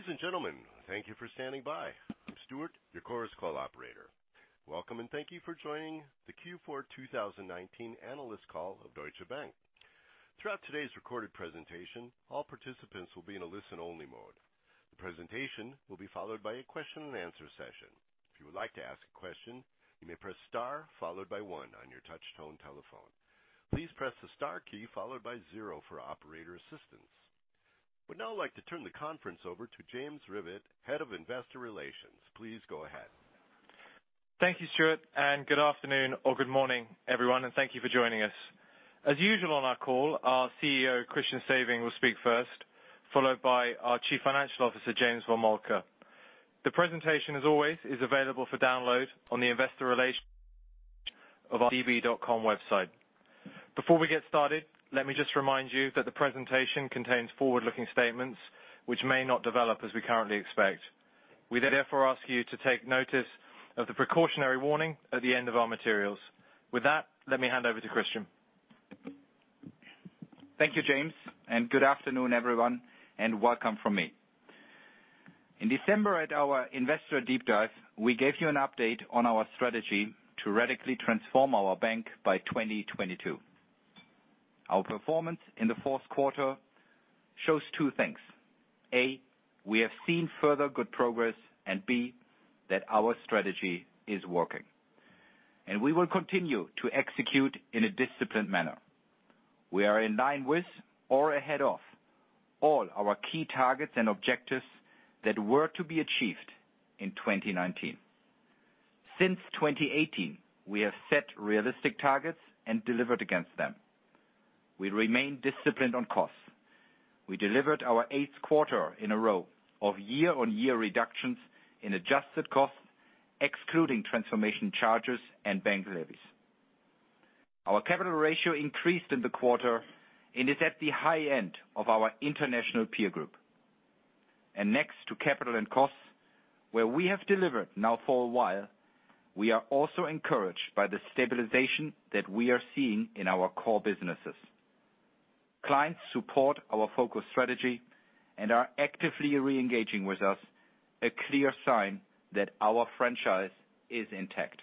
Ladies and gentlemen, thank you for standing by. I'm Stuart, your Chorus Call operator. Welcome, thank you for joining the Q4 2019 analyst call of Deutsche Bank. Throughout today's recorded presentation, all participants will be in a listen-only mode. The presentation will be followed by a question and answer session. If you would like to ask a question, you may press star followed by one on your touch-tone telephone. Please press the star key followed by zero for operator assistance. I would now like to turn the conference over to James Rivett, Head of Investor Relations. Please go ahead. Thank you, Stuart, and good afternoon or good morning, everyone, and thank you for joining us. As usual on our call, our CEO, Christian Sewing, will speak first, followed by our Chief Financial Officer, James von Moltke. The presentation, as always, is available for download on the investor relation of our db.com website. Before we get started, let me just remind you that the presentation contains forward-looking statements which may not develop as we currently expect. We therefore ask you to take notice of the precautionary warning at the end of our materials. With that, let me hand over to Christian. Thank you, James, and good afternoon, everyone, and welcome from me. In December at our Investor Deep Dive, we gave you an update on our strategy to radically transform our bank by 2022. Our performance in the fourth quarter shows two things: A, we have seen further good progress, and B, that our strategy is working. We will continue to execute in a disciplined manner. We are in line with or ahead of all our key targets and objectives that were to be achieved in 2019. Since 2018, we have set realistic targets and delivered against them. We remain disciplined on costs. We delivered our eighth quarter in a row of year-on-year reductions in adjusted costs, excluding transformation charges and bank levies. Our capital ratio increased in the quarter and is at the high end of our international peer group. Next to capital and costs, where we have delivered now for a while, we are also encouraged by the stabilization that we are seeing in our core businesses. Clients support our focus strategy and are actively reengaging with us, a clear sign that our franchise is intact.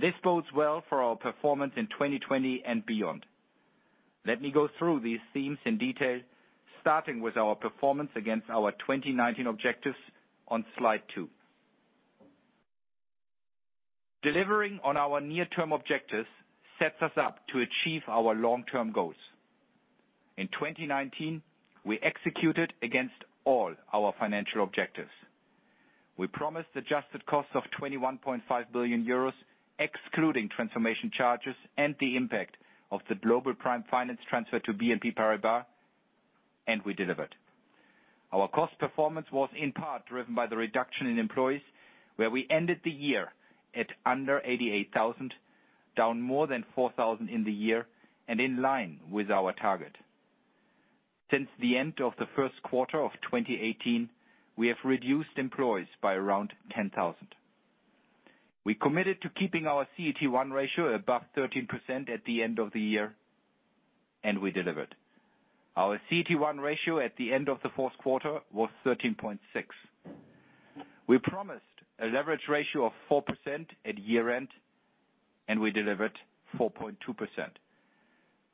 This bodes well for our performance in 2020 and beyond. Let me go through these themes in detail, starting with our performance against our 2019 objectives on slide two. Delivering on our near-term objectives sets us up to achieve our long-term goals. In 2019, we executed against all our financial objectives. We promised adjusted costs of 21.5 billion euros, excluding transformation charges and the impact of the global Prime Finance transfer to BNP Paribas, and we delivered. Our cost performance was in part driven by the reduction in employees, where we ended the year at under 88,000, down more than 4,000 in the year and in line with our target. Since the end of the first quarter of 2018, we have reduced employees by around 10,000. We committed to keeping our CET1 ratio above 13% at the end of the year, and we delivered. Our CET1 ratio at the end of the fourth quarter was 13.6%. We promised a leverage ratio of 4% at year-end, and we delivered 4.2%.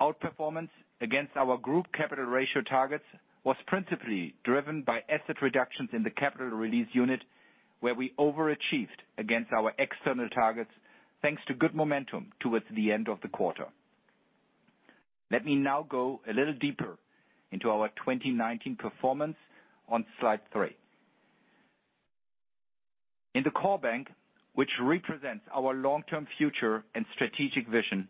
Outperformance against our group capital ratio targets was principally driven by asset reductions in the Capital Release Unit, where we overachieved against our external targets, thanks to good momentum towards the end of the quarter. Let me now go a little deeper into our 2019 performance on slide three. In the Core bank, which represents our long-term future and strategic vision,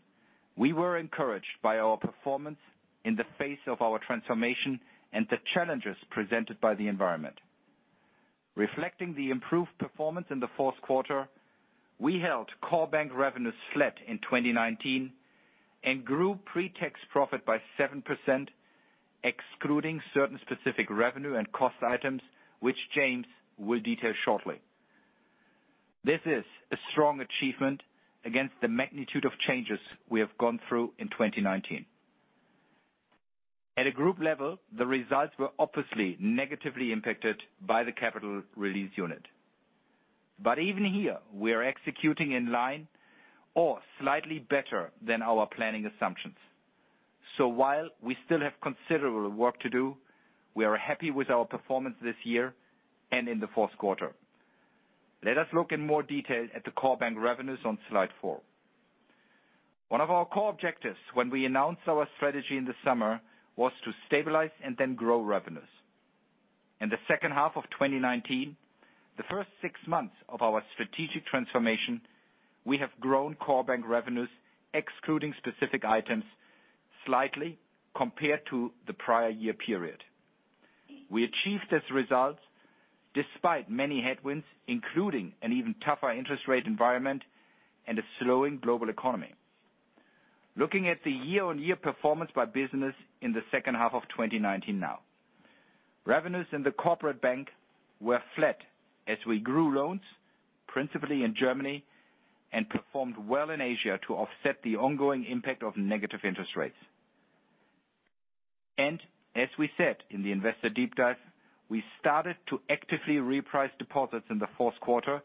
we were encouraged by our performance in the face of our transformation and the challenges presented by the environment. Reflecting the improved performance in the fourth quarter, we held Core bank revenues flat in 2019 and grew pre-tax profit by 7%, excluding certain specific revenue and cost items, which James will detail shortly. This is a strong achievement against the magnitude of changes we have gone through in 2019. At a group level the results were obviously negatively impacted by the Capital Release Unit. Even here, we are executing in line or slightly better than our planning assumptions. While we still have considerable work to do, we are happy with our performance this year and in the fourth quarter. Let us look in more detail at the Core bank revenues on slide four. One of our core objectives when we announced our strategy in the summer was to stabilize and then grow revenues. In the second half of 2019, the first six months of our strategic transformation, we have grown Core bank revenues, excluding specific items, slightly compared to the prior year period. We achieved this result despite many headwinds, including an even tougher interest rate environment and a slowing global economy. Looking at the year-on-year performance by business in the second half of 2019 now. Revenues in the Corporate Bank were flat as we grew loans, principally in Germany, and performed well in Asia to offset the ongoing impact of negative interest rates. As we said in the Investor Deep Dive, we started to actively reprice deposits in the fourth quarter,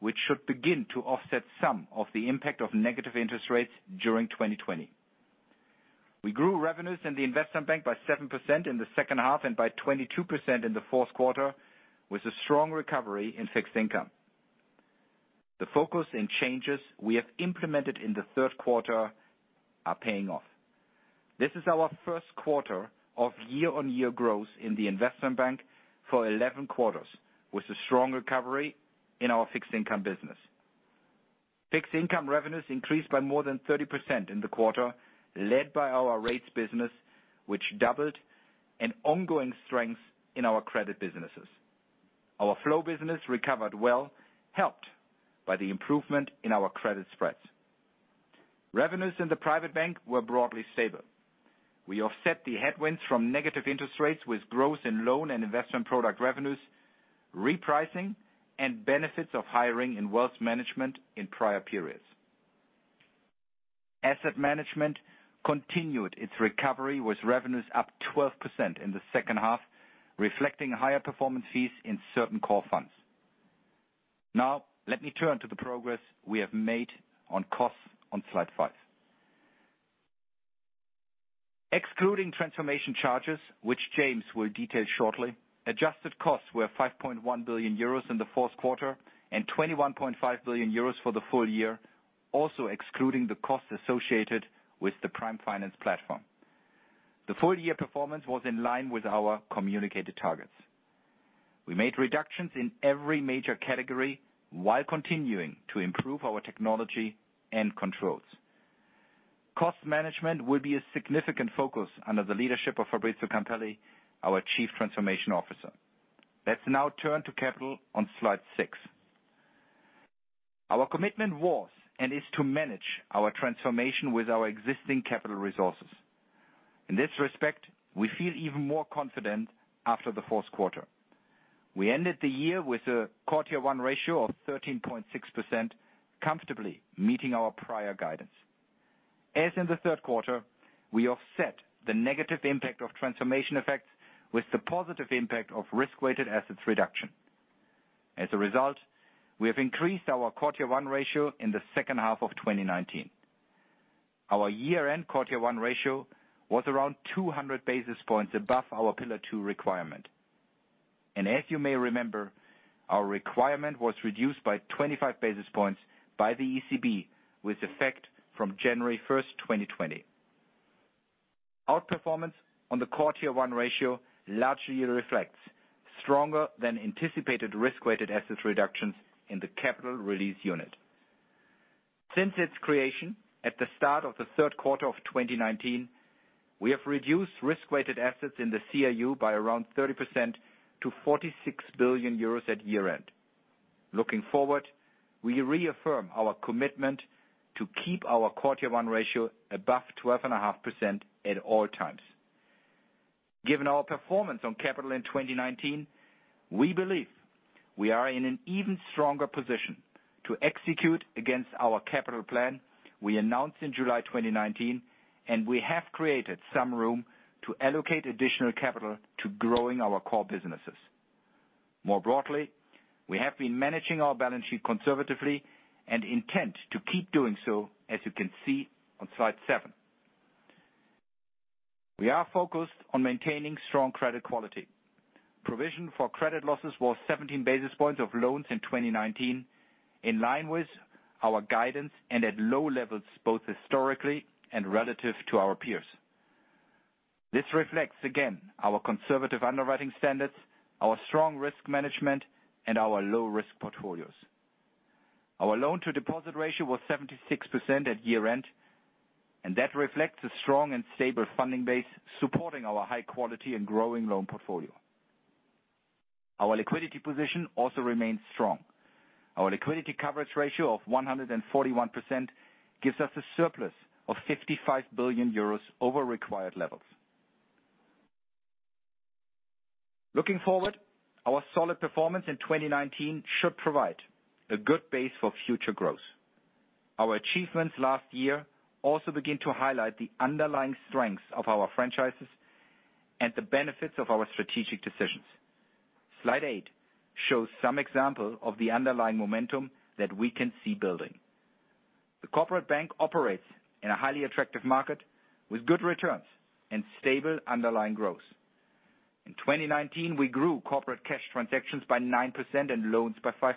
which should begin to offset some of the impact of negative interest rates during 2020. We grew revenues in the Investment bank by 7% in the second half and by 22% in the fourth quarter, with a strong recovery in fixed income. The focus and changes we have implemented in the third quarter are paying off. This is our first quarter of year-on-year growth in the Investment bank for 11 quarters, with a strong recovery in our fixed income business. Fixed income revenues increased by more than 30% in the quarter, led by our rates business, which doubled, and ongoing strength in our credit businesses. Our flow business recovered well, helped by the improvement in our credit spreads. Revenues in the Private bank were broadly stable. We offset the headwinds from negative interest rates with growth in loan and investment product revenues, repricing, and benefits of hiring in wealth management in prior periods. Asset Management continued its recovery, with revenues up 12% in the second half, reflecting higher performance fees in certain core funds. Now let me turn to the progress we have made on costs on slide five. Excluding transformation charges, which James will detail shortly, adjusted costs were 5.1 billion euros in the fourth quarter and 21.5 billion euros for the full year, also excluding the costs associated with the Prime Finance platform. The full-year performance was in line with our communicated targets. We made reductions in every major category while continuing to improve our technology and controls. Cost management will be a significant focus under the leadership of Fabrizio Campelli, our Chief Transformation Officer. Let's now turn to capital on slide six. Our commitment was and is to manage our transformation with our existing capital resources. In this respect, we feel even more confident after the fourth quarter. We ended the year with a CET1 ratio of 13.6%, comfortably meeting our prior guidance. As in the third quarter, we offset the negative impact of transformation effects with the positive impact of risk-weighted assets reduction. As a result, we have increased our CET1 ratio in the second half of 2019. Our year-end CET1 ratio was around 200 basis points above our pillar 2 requirement. As you may remember, our requirement was reduced by 25 basis points by the ECB, with effect from January 1st, 2020. Outperformance on the CET1 ratio largely reflects stronger than anticipated risk-weighted asset reductions in the Capital Release Unit. Since its creation at the start of the third quarter of 2019, we have reduced risk-weighted assets in the CRU by around 30% to 46 billion euros at year-end. Looking forward, we reaffirm our commitment to keep our CET1 ratio above 12.5% at all times. Given our performance on capital in 2019, we believe we are in an even stronger position to execute against our capital plan we announced in July 2019, and we have created some room to allocate additional capital to growing our core businesses. More broadly, we have been managing our balance sheet conservatively and intend to keep doing so, as you can see on slide seven. We are focused on maintaining strong credit quality. Provision for credit losses was 17 basis points of loans in 2019, in line with our guidance and at low levels, both historically and relative to our peers. This reflects, again, our conservative underwriting standards, our strong risk management, and our low-risk portfolios. Our loan-to-deposit ratio was 76% at year-end, that reflects a strong and stable funding base supporting our high quality and growing loan portfolio. Our liquidity position also remains strong. Our liquidity coverage ratio of 141% gives us a surplus of 55 billion euros over required levels. Looking forward, our solid performance in 2019 should provide a good base for future growth. Our achievements last year also begin to highlight the underlying strengths of our franchises and the benefits of our strategic decisions. Slide eight shows some example of the underlying momentum that we can see building. The Corporate Bank operates in a highly attractive market with good returns and stable underlying growth. In 2019, we grew corporate cash transactions by 9% and loans by 5%.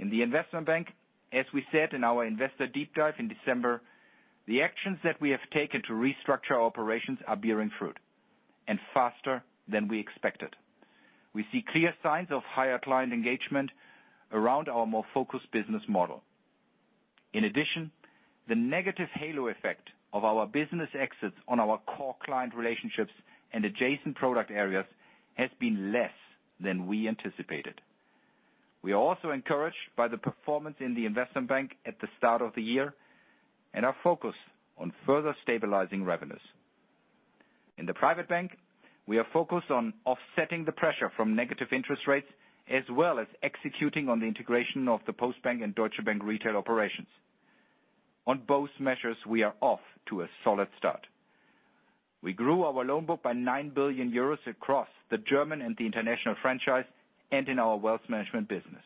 In the Investment bank, as we said in our Investor Deep Dive in December, the actions that we have taken to restructure our operations are bearing fruit, and faster than we expected. We see clear signs of higher client engagement around our more focused business model. In addition, the negative halo effect of our business exits on our core client relationships and adjacent product areas has been less than we anticipated. We are also encouraged by the performance in the Investment bank at the start of the year and are focused on further stabilizing revenues. In the Private bank, we are focused on offsetting the pressure from negative interest rates, as well as executing on the integration of the Postbank and Deutsche Bank retail operations. On both measures, we are off to a solid start. We grew our loan book by 9 billion euros across the German and the international franchise and in our wealth management business.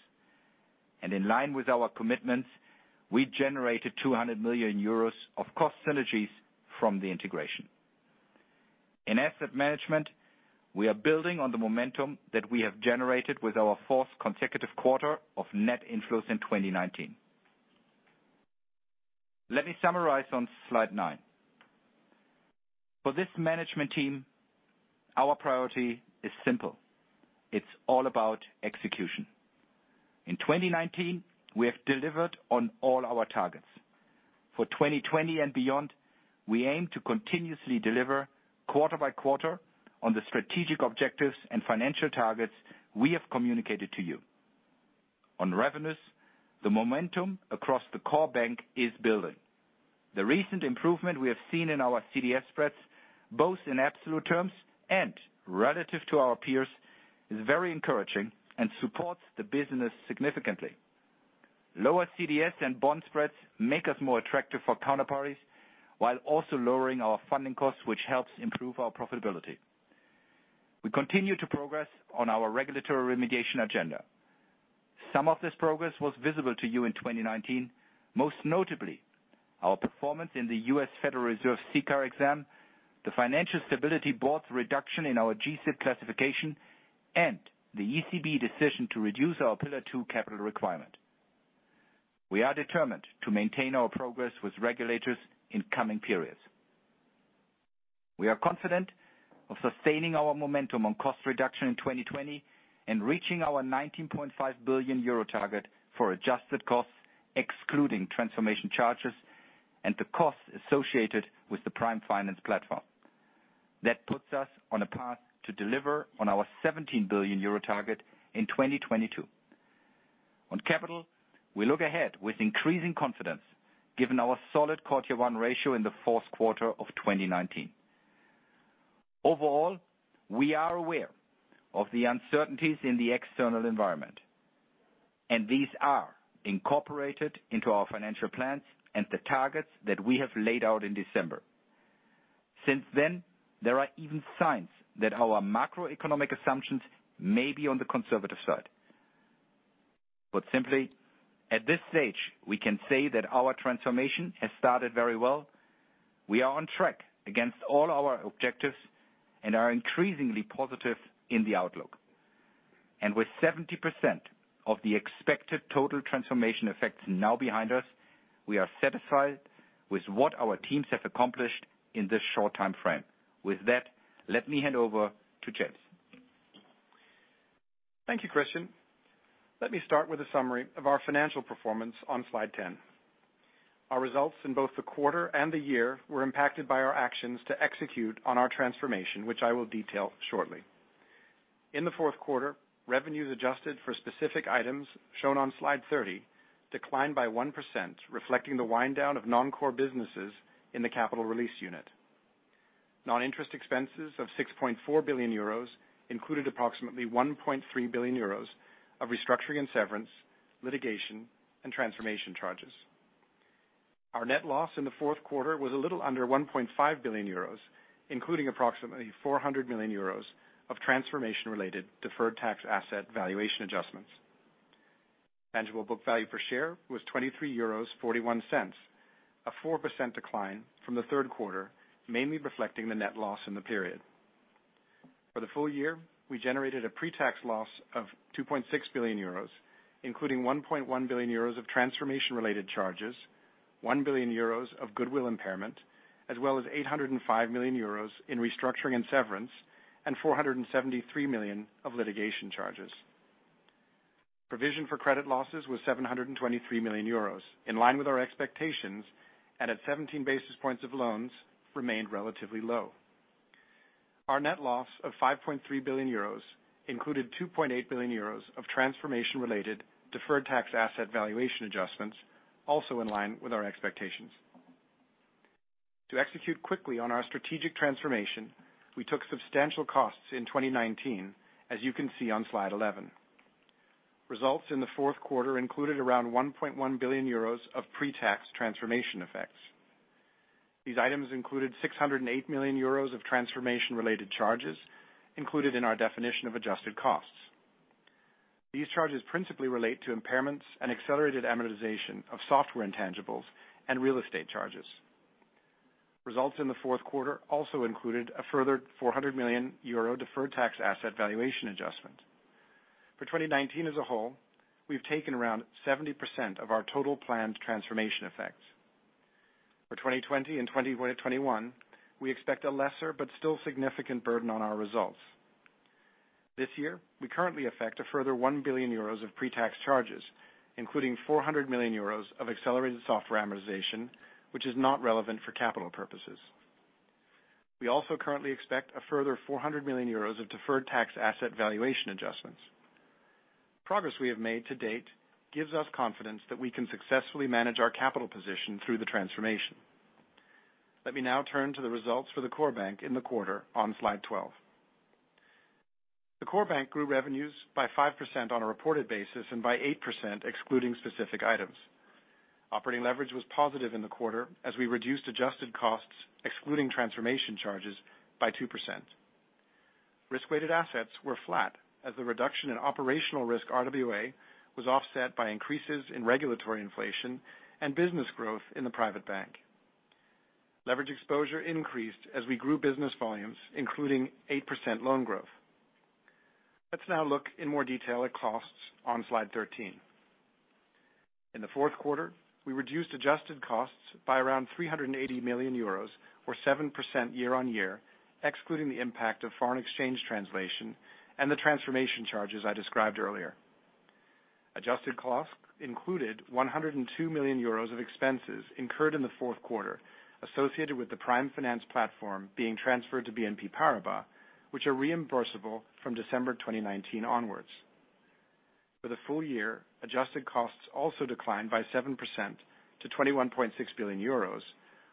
In line with our commitments, we generated 200 million euros of cost synergies from the integration. In Asset Management, we are building on the momentum that we have generated with our fourth consecutive quarter of net inflows in 2019. Let me summarize on slide nine. For this management team, our priority is simple. It's all about execution. In 2019, we have delivered on all our targets. For 2020 and beyond, we aim to continuously deliver quarter by quarter on the strategic objectives and financial targets we have communicated to you. On revenues, the momentum across the Core bank is building. The recent improvement we have seen in our CDS spreads, both in absolute terms and relative to our peers, is very encouraging and supports the business significantly. Lower CDS and bond spreads make us more attractive for counterparties, while also lowering our funding costs, which helps improve our profitability. We continue to progress on our regulatory remediation agenda. Some of this progress was visible to you in 2019, most notably our performance in the U.S. Federal Reserve CCAR exam, the Financial Stability Board's reduction in our G-SIB classification, and the ECB decision to reduce our Pillar 2 capital requirement. We are determined to maintain our progress with regulators in coming periods. We are confident of sustaining our momentum on cost reduction in 2020 and reaching our 19.5 billion euro target for adjusted costs, excluding transformation charges and the costs associated with the Prime Finance platform. That puts us on a path to deliver on our 17 billion euro target in 2022. On capital, we look ahead with increasing confidence given our solid CET1 ratio in the fourth quarter of 2019. Overall, we are aware of the uncertainties in the external environment, and these are incorporated into our financial plans and the targets that we have laid out in December. Since then, there are even signs that our macroeconomic assumptions may be on the conservative side. Simply, at this stage, we can say that our transformation has started very well. We are on track against all our objectives and are increasingly positive in the outlook. With 70% of the expected total transformation effects now behind us, we are satisfied with what our teams have accomplished in this short timeframe. With that, let me hand over to James. Thank you, Christian. Let me start with a summary of our financial performance on slide 10. Our results in both the quarter and the year were impacted by our actions to execute on our transformation, which I will detail shortly. In the fourth quarter, revenues adjusted for specific items shown on slide 30 declined by 1%, reflecting the wind down of non-core businesses in the Capital Release Unit. Non-interest expenses of 6.4 billion euros included approximately 1.3 billion euros of restructuring and severance, litigation, and transformation charges. Our net loss in the fourth quarter was a little under 1.5 billion euros, including approximately 400 million euros of transformation-related deferred tax asset valuation adjustments. Tangible book value per share was 23.41 euros, a 4% decline from the third quarter, mainly reflecting the net loss in the period. For the full year, we generated a pre-tax loss of 2.6 billion euros, including 1.1 billion euros of transformation-related charges, 1 billion euros of goodwill impairment, as well as 805 million euros in restructuring and severance, and 473 million of litigation charges. Provision for credit losses was 723 million euros, in line with our expectations, and at 17 basis points of loans remained relatively low. Our net loss of 5.3 billion euros included 2.8 billion euros of transformation-related deferred tax asset valuation adjustments, also in line with our expectations. To execute quickly on our strategic transformation, we took substantial costs in 2019, as you can see on slide 11. Results in the fourth quarter included around 1.1 billion euros of pre-tax transformation effects. These items included 608 million euros of transformation-related charges included in our definition of adjusted costs. These charges principally relate to impairments and accelerated amortization of software intangibles and real estate charges. Results in the fourth quarter also included a further 400 million euro deferred tax asset valuation adjustment. For 2019 as a whole, we've taken around 70% of our total planned transformation effects. For 2020 and 2021, we expect a lesser but still significant burden on our results. This year, we currently expect a further 1 billion euros of pre-tax charges, including 400 million euros of accelerated software amortization, which is not relevant for capital purposes. We also currently expect a further 400 million euros of deferred tax asset valuation adjustments. Progress we have made to date gives us confidence that we can successfully manage our capital position through the transformation. Let me now turn to the results for the Core bank in the quarter on slide 12. The Core bank grew revenues by 5% on a reported basis and by 8% excluding specific items. Operating leverage was positive in the quarter as we reduced adjusted costs, excluding transformation charges, by 2%. Risk-weighted assets were flat as the reduction in operational risk RWA was offset by increases in regulatory inflation and business growth in the Private bank. Leverage exposure increased as we grew business volumes, including 8% loan growth. Let's now look in more detail at costs on slide 13. In the fourth quarter, we reduced adjusted costs by around 380 million euros, or 7% year-on-year, excluding the impact of foreign exchange translation and the transformation charges I described earlier. Adjusted costs included 102 million euros of expenses incurred in the fourth quarter associated with the Prime Finance platform being transferred to BNP Paribas, which are reimbursable from December 2019 onwards. For the full year, adjusted costs also declined by 7% to 21.6 billion euros,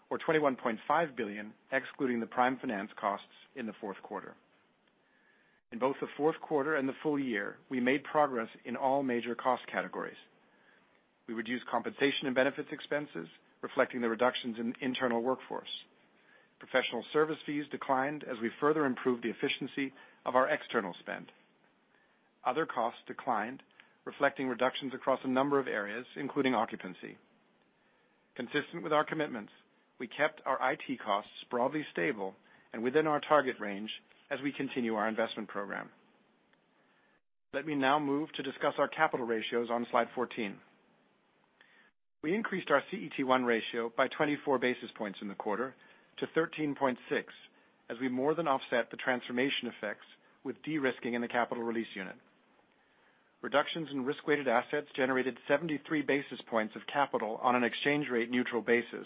or 21.5 billion, excluding the Prime Finance costs in the fourth quarter. In both the fourth quarter and the full year, we made progress in all major cost categories. We reduced compensation and benefits expenses, reflecting the reductions in internal workforce. Professional service fees declined as we further improved the efficiency of our external spend. Other costs declined, reflecting reductions across a number of areas, including occupancy. Consistent with our commitments, we kept our IT costs broadly stable and within our target range as we continue our investment program. Let me now move to discuss our capital ratios on slide 14. We increased our CET1 ratio by 24 basis points in the quarter to 13.6%, as we more than offset the transformation effects with de-risking in the Capital Release Unit. Reductions in risk-weighted assets generated 73 basis points of capital on an exchange rate neutral basis,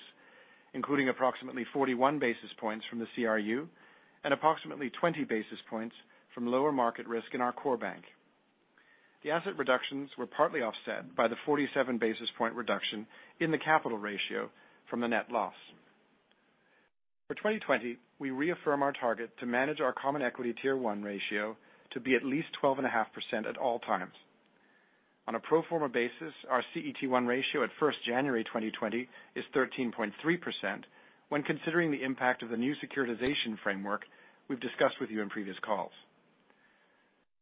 including approximately 41 basis points from the CRU and approximately 20 basis points from lower market risk in our Core bank. The asset reductions were partly offset by the 47 basis point reduction in the capital ratio from the net loss. For 2020, we reaffirm our target to manage our common equity tier one ratio to be at least 12.5% at all times. On a pro forma basis, our CET1 ratio at 1st January 2020 is 13.3% when considering the impact of the new securitization framework we've discussed with you in previous calls.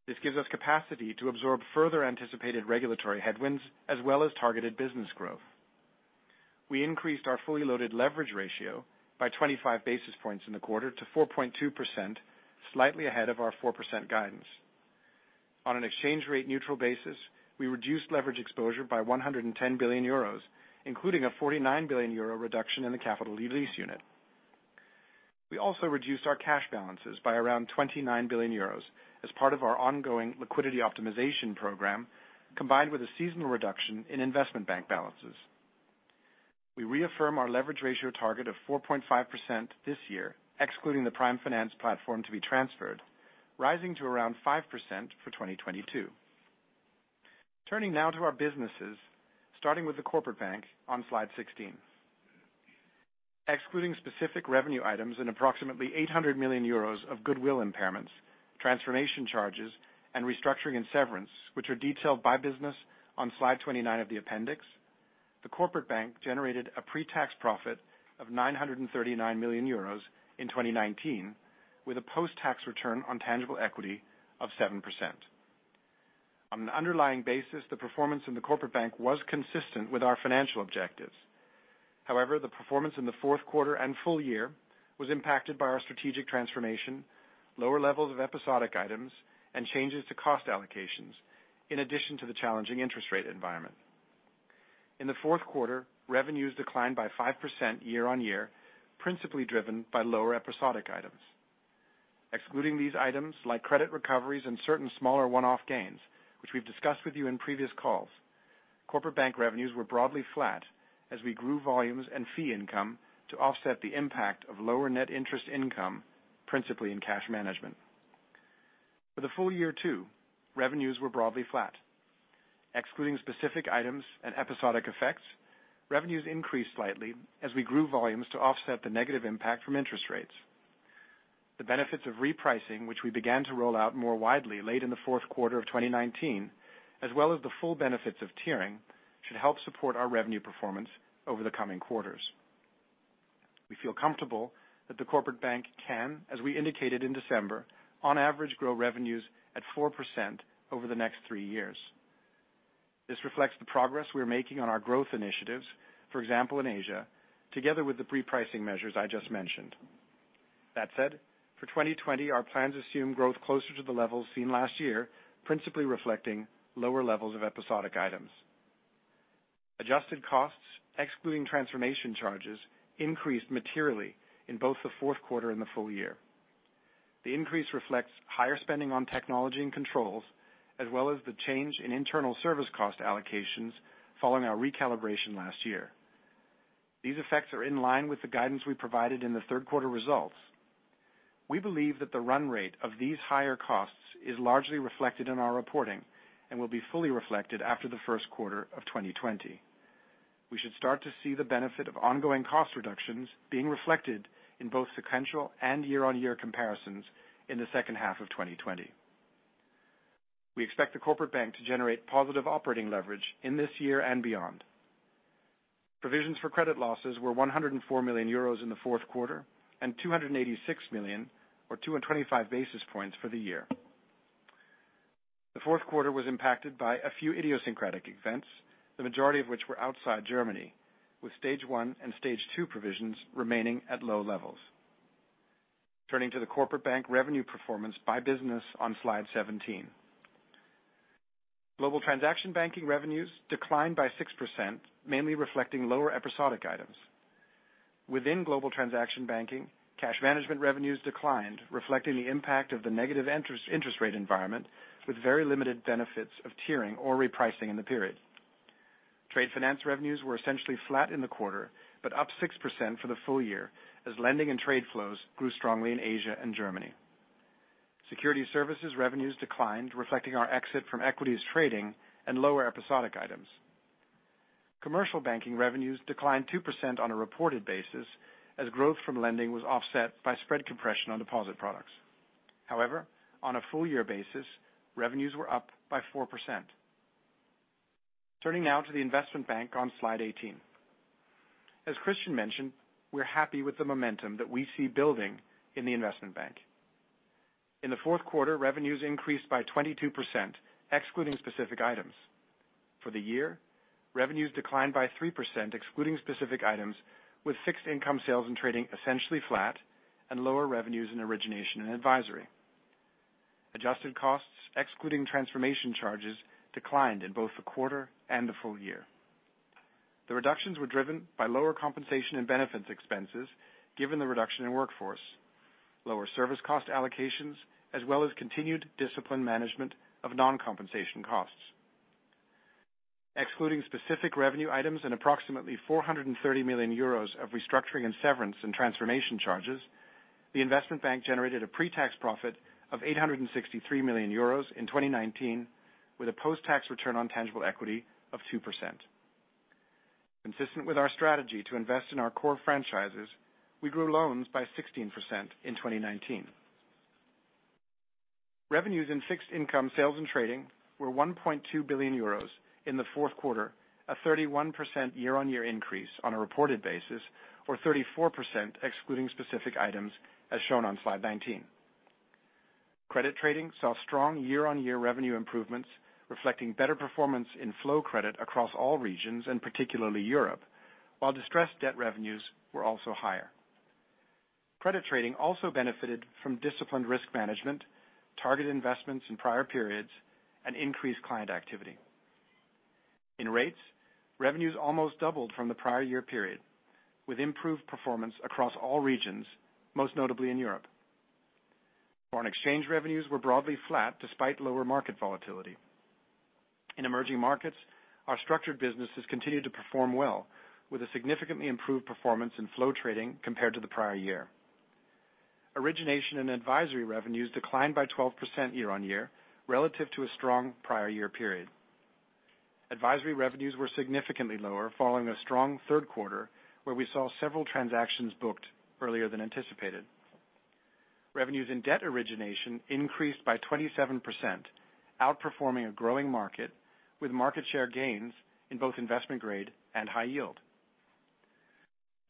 This gives us capacity to absorb further anticipated regulatory headwinds as well as targeted business growth. We increased our fully loaded leverage ratio by 25 basis points in the quarter to 4.2%, slightly ahead of our 4% guidance. On an exchange rate neutral basis, we reduced leverage exposure by 110 billion euros, including a 49 billion euro reduction in the Capital Release Unit. We also reduced our cash balances by around 29 billion euros as part of our ongoing liquidity optimization program, combined with a seasonal reduction in Investment bank balances. We reaffirm our leverage ratio target of 4.5% this year, excluding the Prime Finance platform to be transferred, rising to around 5% for 2022. Turning now to our businesses, starting with the Corporate Bank on slide 16. Excluding specific revenue items and approximately 800 million euros of goodwill impairments, transformation charges, and restructuring and severance, which are detailed by business on slide 29 of the appendix, the Corporate Bank generated a pre-tax profit of 939 million euros in 2019, with a post-tax return on tangible equity of 7%. On an underlying basis, the performance in the Corporate Bank was consistent with our financial objectives. However, the performance in the fourth quarter and full year was impacted by our strategic transformation, lower levels of episodic items, and changes to cost allocations, in addition to the challenging interest rate environment. In the fourth quarter, revenues declined by 5% year-on-year, principally driven by lower episodic items. Excluding these items, like credit recoveries and certain smaller one-off gains, which we've discussed with you in previous calls, Corporate Bank revenues were broadly flat as we grew volumes and fee income to offset the impact of lower net interest income, principally in cash management. For the full year too, revenues were broadly flat. Excluding specific items and episodic effects, revenues increased slightly as we grew volumes to offset the negative impact from interest rates. The benefits of repricing, which we began to roll out more widely late in the fourth quarter of 2019, as well as the full benefits of tiering, should help support our revenue performance over the coming quarters. We feel comfortable that the Corporate Bank can, as we indicated in December, on average, grow revenues at 4% over the next three years. This reflects the progress we are making on our growth initiatives, for example, in Asia, together with the pre-pricing measures I just mentioned. That said, for 2020, our plans assume growth closer to the levels seen last year, principally reflecting lower levels of episodic items. Adjusted costs, excluding transformation charges, increased materially in both the fourth quarter and the full year. The increase reflects higher spending on technology and controls, as well as the change in internal service cost allocations following our recalibration last year. These effects are in line with the guidance we provided in the third quarter results. We believe that the run rate of these higher costs is largely reflected in our reporting and will be fully reflected after the first quarter of 2020. We should start to see the benefit of ongoing cost reductions being reflected in both sequential and year-on-year comparisons in the second half of 2020. We expect the Corporate Bank to generate positive operating leverage in this year and beyond. Provisions for credit losses were 104 million euros in the fourth quarter, and 286 million, or 225 basis points for the year. The fourth quarter was impacted by a few idiosyncratic events, the majority of which were outside Germany, with stage one and stage two provisions remaining at low levels. Turning to the Corporate Bank revenue performance by business on slide 17. Global transaction banking revenues declined by 6%, mainly reflecting lower episodic items. Within global transaction banking, cash management revenues declined, reflecting the impact of the negative interest rate environment, with very limited benefits of tiering or repricing in the period. Trade finance revenues were essentially flat in the quarter, but up 6% for the full year, as lending and trade flows grew strongly in Asia and Germany. Security services revenues declined, reflecting our exit from equities trading and lower episodic items. Commercial banking revenues declined 2% on a reported basis, as growth from lending was offset by spread compression on deposit products. On a full year basis, revenues were up by 4%. Turning now to the Investment bank on slide 18. As Christian mentioned, we're happy with the momentum that we see building in the Investment bank. In the fourth quarter, revenues increased by 22%, excluding specific items. For the year, revenues declined by 3%, excluding specific items, with fixed income sales and trading essentially flat and lower revenues in origination and advisory. Adjusted costs, excluding transformation charges, declined in both the quarter and the full year. The reductions were driven by lower compensation and benefits expenses, given the reduction in workforce, lower service cost allocations, as well as continued disciplined management of non-compensation costs. Excluding specific revenue items and approximately 430 million euros of restructuring and severance and transformation charges, the Investment bank generated a pre-tax profit of 863 million euros in 2019, with a post-tax return on tangible equity of 2%. Consistent with our strategy to invest in our core franchises, we grew loans by 16% in 2019. Revenues in fixed income sales and trading were 1.2 billion euros in the fourth quarter, a 31% year-on-year increase on a reported basis, or 34% excluding specific items, as shown on slide 19. Credit trading saw strong year-on-year revenue improvements, reflecting better performance in flow credit across all regions, and particularly Europe, while distressed debt revenues were also higher. Credit trading also benefited from disciplined risk management, targeted investments in prior periods, and increased client activity. In rates, revenues almost doubled from the prior year period, with improved performance across all regions, most notably in Europe. Foreign exchange revenues were broadly flat despite lower market volatility. In emerging markets, our structured businesses continued to perform well with a significantly improved performance in flow trading compared to the prior year. Origination and advisory revenues declined by 12% year-on-year relative to a strong prior year period. Advisory revenues were significantly lower following a strong third quarter, where we saw several transactions booked earlier than anticipated. Revenues in debt origination increased by 27%, outperforming a growing market, with market share gains in both investment grade and high yield.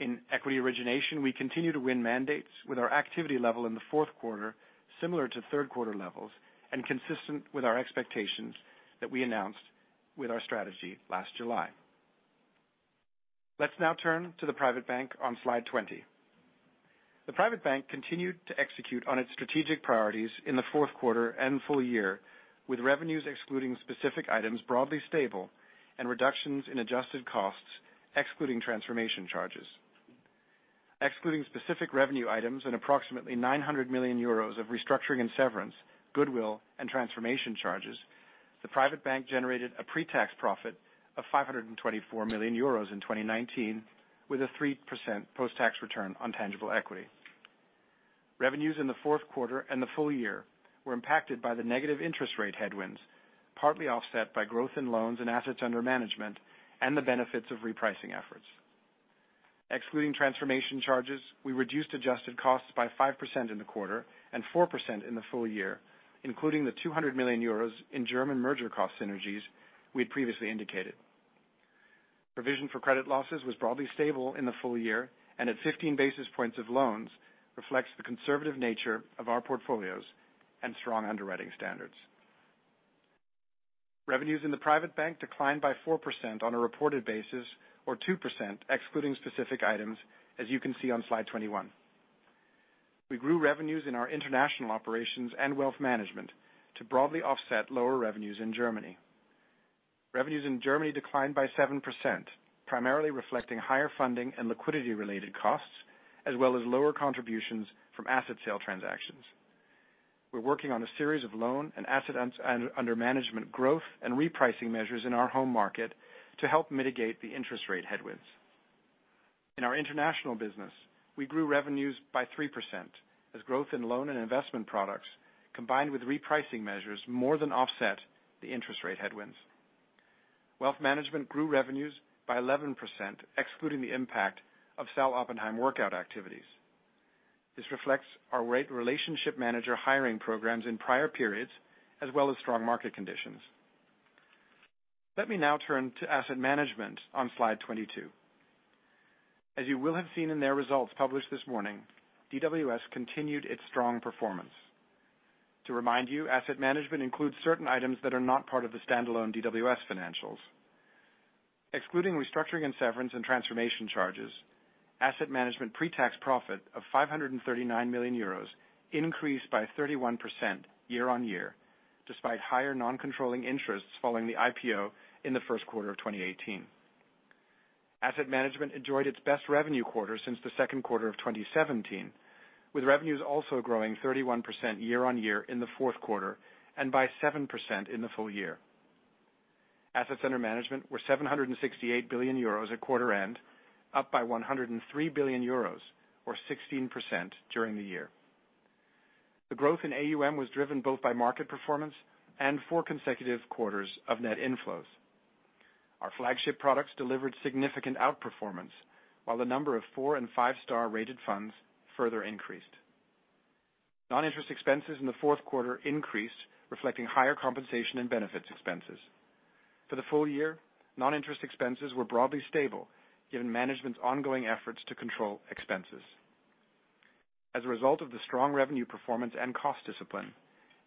In equity origination, we continue to win mandates with our activity level in the fourth quarter similar to third quarter levels and consistent with our expectations that we announced with our strategy last July. Let's now turn to the Private bank on slide 20. The Private bank continued to execute on its strategic priorities in the fourth quarter and full year, with revenues excluding specific items broadly stable and reductions in adjusted costs, excluding transformation charges. Excluding specific revenue items and approximately 900 million euros of restructuring and severance, goodwill, and transformation charges, the Private bank generated a pre-tax profit of 524 million euros in 2019, with a 3% post-tax return on tangible equity. Revenues in the fourth quarter and the full year were impacted by the negative interest rate headwinds, partly offset by growth in loans and assets under management and the benefits of repricing efforts. Excluding transformation charges, we reduced adjusted costs by 5% in the quarter and 4% in the full year, including the 200 million euros in German merger cost synergies we had previously indicated. Provision for credit losses was broadly stable in the full year and at 15 basis points of loans, reflects the conservative nature of our portfolios and strong underwriting standards. Revenues in the Private bank declined by 4% on a reported basis, or 2% excluding specific items, as you can see on slide 21. We grew revenues in our international operations and wealth management to broadly offset lower revenues in Germany. Revenues in Germany declined by 7%, primarily reflecting higher funding and liquidity related costs, as well as lower contributions from asset sale transactions. We're working on a series of loan and assets under management growth and repricing measures in our home market to help mitigate the interest rate headwinds. In our international business, we grew revenues by 3% as growth in loan and investment products, combined with repricing measures more than offset the interest rate headwinds. Wealth management grew revenues by 11%, excluding the impact of Sal. Oppenheim workout activities. This reflects our relationship manager hiring programs in prior periods, as well as strong market conditions. Let me now turn to Asset Management on slide 22. As you will have seen in their results published this morning, DWS continued its strong performance. To remind you, Asset Management includes certain items that are not part of the standalone DWS financials. Excluding restructuring and severance and transformation charges, Asset Management pre-tax profit of 539 million euros increased by 31% year-on-year, despite higher non-controlling interests following the IPO in the first quarter of 2018. Asset Management enjoyed its best revenue quarter since the second quarter of 2017, with revenues also growing 31% year-on-year in the fourth quarter, and by 7% in the full year. Assets under management were 768 billion euros at quarter end, up by 103 billion euros, or 16% during the year. The growth in AUM was driven both by market performance and four consecutive quarters of net inflows. Our flagship products delivered significant outperformance, while the number of four and five-star rated funds further increased. Non-interest expenses in the fourth quarter increased, reflecting higher compensation and benefits expenses. For the full year, non-interest expenses were broadly stable, given management's ongoing efforts to control expenses. As a result of the strong revenue performance and cost discipline,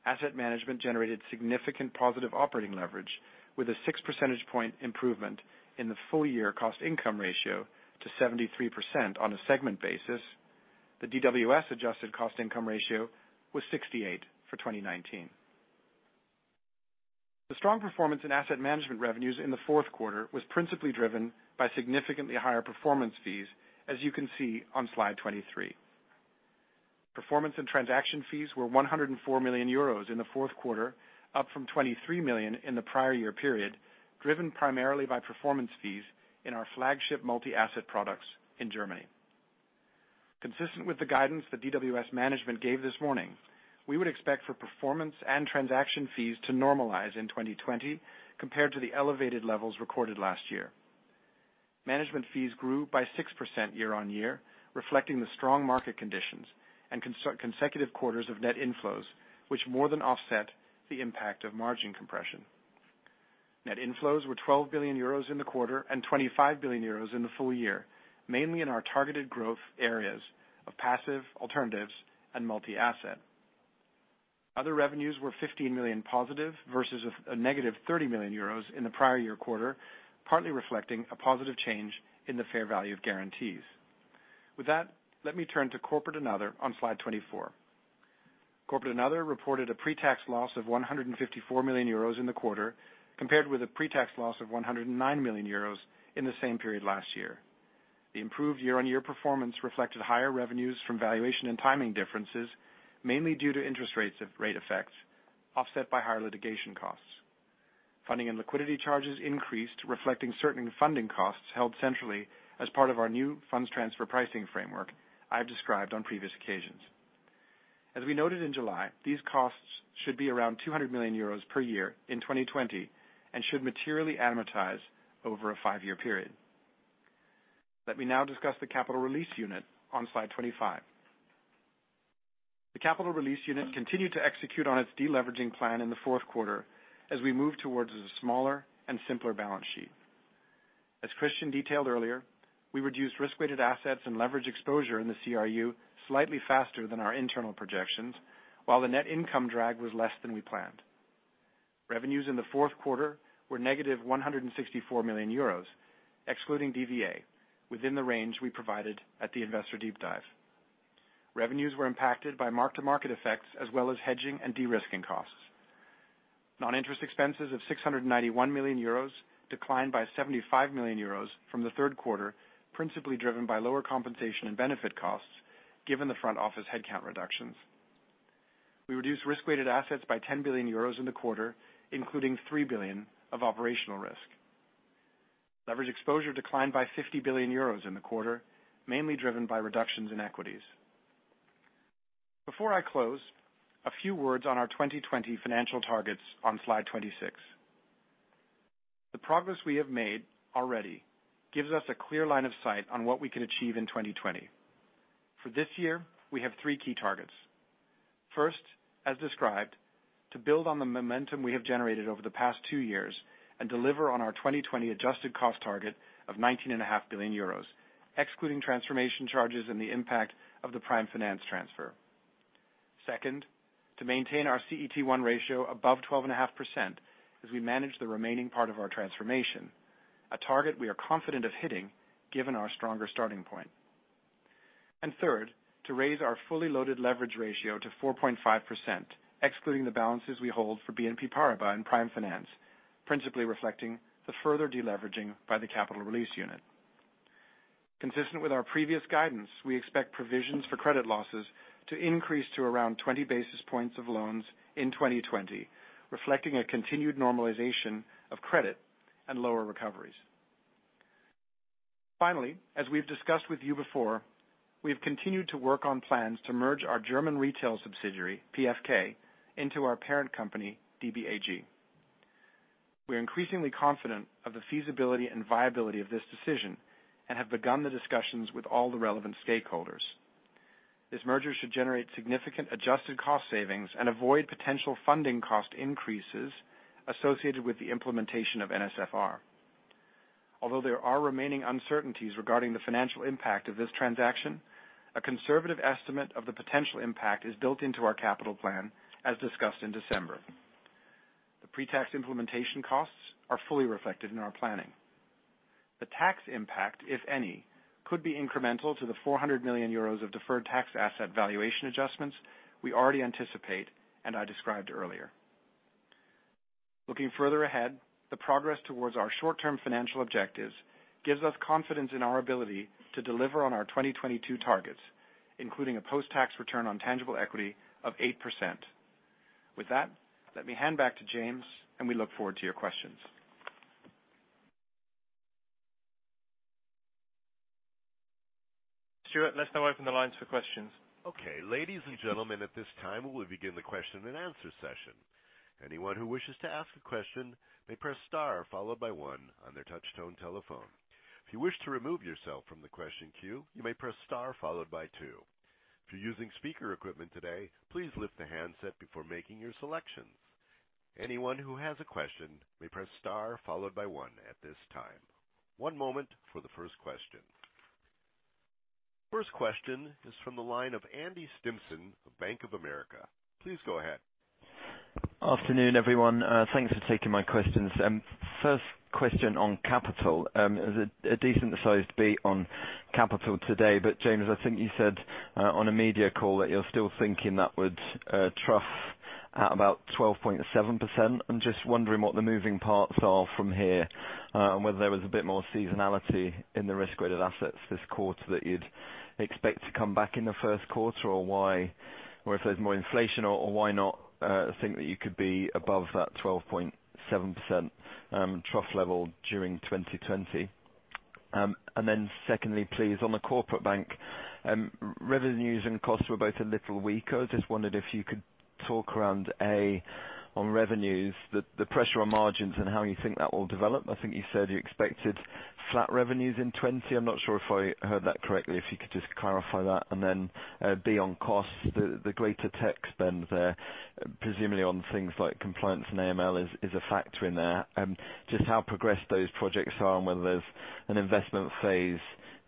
Asset Management generated significant positive operating leverage with a 6 percentage point improvement in the full year cost income ratio to 73% on a segment basis. The DWS adjusted cost income ratio was 68% for 2019. The strong performance in Asset Management revenues in the fourth quarter was principally driven by significantly higher performance fees, as you can see on slide 23. Performance and transaction fees were 104 million euros in the fourth quarter, up from 23 million in the prior year period, driven primarily by performance fees in our flagship multi-asset products in Germany. Consistent with the guidance that DWS management gave this morning, we would expect for performance and transaction fees to normalize in 2020 compared to the elevated levels recorded last year. Management fees grew by 6% year-on-year, reflecting the strong market conditions and consecutive quarters of net inflows, which more than offset the impact of margin compression. Net inflows were 12 billion euros in the quarter and 25 billion euros in the full year, mainly in our targeted growth areas of passive alternatives and multi-asset. Other revenues were 15 million positive versus a negative 30 million euros in the prior year quarter, partly reflecting a positive change in the fair value of guarantees. With that, let me turn to Corporate and Other on slide 24. Corporate and Other reported a pre-tax loss of 154 million euros in the quarter, compared with a pre-tax loss of 109 million euros in the same period last year. The improved year-on-year performance reflected higher revenues from valuation and timing differences, mainly due to interest rate effects offset by higher litigation costs. Funding and liquidity charges increased, reflecting certain funding costs held centrally as part of our new funds transfer pricing framework I have described on previous occasions. As we noted in July, these costs should be around 200 million euros per year in 2020 and should materially amortize over a five-year period. Let me now discuss the Capital Release Unit on slide 25. The Capital Release Unit continued to execute on its de-leveraging plan in the fourth quarter as we move towards a smaller and simpler balance sheet. As Christian detailed earlier, we reduced risk-weighted assets and leverage exposure in the CRU slightly faster than our internal projections, while the net income drag was less than we planned. Revenues in the fourth quarter were negative 164 million euros, excluding DVA, within the range we provided at the Investor Deep Dive. Revenues were impacted by mark-to-market effects, as well as hedging and de-risking costs. Non-interest expenses of 691 million euros declined by 75 million euros from the third quarter, principally driven by lower compensation and benefit costs, given the front office headcount reductions. We reduced risk-weighted assets by 10 billion euros in the quarter, including 3 billion of operational risk. Leverage exposure declined by 50 billion euros in the quarter, mainly driven by reductions in equities. Before I close, a few words on our 2020 financial targets on slide 26. The progress we have made already gives us a clear line of sight on what we can achieve in 2020. For this year, we have three key targets. First, as described, to build on the momentum we have generated over the past two years and deliver on our 2020 adjusted cost target of 19.5 billion euros, excluding transformation charges and the impact of the Prime Finance transfer. Second, to maintain our CET1 ratio above 12.5% as we manage the remaining part of our transformation, a target we are confident of hitting given our stronger starting point. Third, to raise our fully loaded leverage ratio to 4.5%, excluding the balances we hold for BNP Paribas and Prime Finance, principally reflecting the further deleveraging by the Capital Release Unit. Consistent with our previous guidance, we expect provisions for credit losses to increase to around 20 basis points of loans in 2020, reflecting a continued normalization of credit and lower recoveries. Finally, as we've discussed with you before, we've continued to work on plans to merge our German retail subsidiary, PFK, into our parent company, DBAG. We are increasingly confident of the feasibility and viability of this decision and have begun the discussions with all the relevant stakeholders. This merger should generate significant adjusted cost savings and avoid potential funding cost increases associated with the implementation of NSFR. Although there are remaining uncertainties regarding the financial impact of this transaction, a conservative estimate of the potential impact is built into our capital plan as discussed in December. The pre-tax implementation costs are fully reflected in our planning. The tax impact, if any, could be incremental to the 400 million euros of deferred tax asset valuation adjustments we already anticipate and I described earlier. Looking further ahead, the progress towards our short-term financial objectives gives us confidence in our ability to deliver on our 2022 targets, including a post-tax return on tangible equity of 8%. With that, let me hand back to James, and we look forward to your questions. Stuart, let's now open the lines for questions. Okay. Ladies and gentlemen, at this time, we will begin the question and answer session. Anyone who wishes to ask a question may press star followed by one on their touch-tone telephone. If you wish to remove yourself from the question queue, you may press star followed by two. If you're using speaker equipment today, please lift the handset before making your selections. Anyone who has a question may press star followed by one at this time. One moment for the first question. First question is from the line of Andrew Stimpson of Bank of America. Please go ahead. Afternoon, everyone. Thanks for taking my questions. First question on capital. It was a decently sized beat on capital today, but James, I think you said on a media call that you're still thinking that would trough at about 12.7%. I'm just wondering what the moving parts are from here, and whether there was a bit more seasonality in the risk-weighted assets this quarter that you'd expect to come back in the first quarter, or if there's more inflation, or why not think that you could be above that 12.7% trough level during 2020? Then secondly, please, on the Corporate Bank, revenues and costs were both a little weak. I just wondered if you could talk around, A, on revenues, the pressure on margins and how you think that will develop. I think you said you expected flat revenues in 20. I'm not sure if I heard that correctly. If you could just clarify that. B, on costs, the greater tech spend there, presumably on things like compliance and AML is a factor in there. Just how progressed those projects are and whether there's an investment phase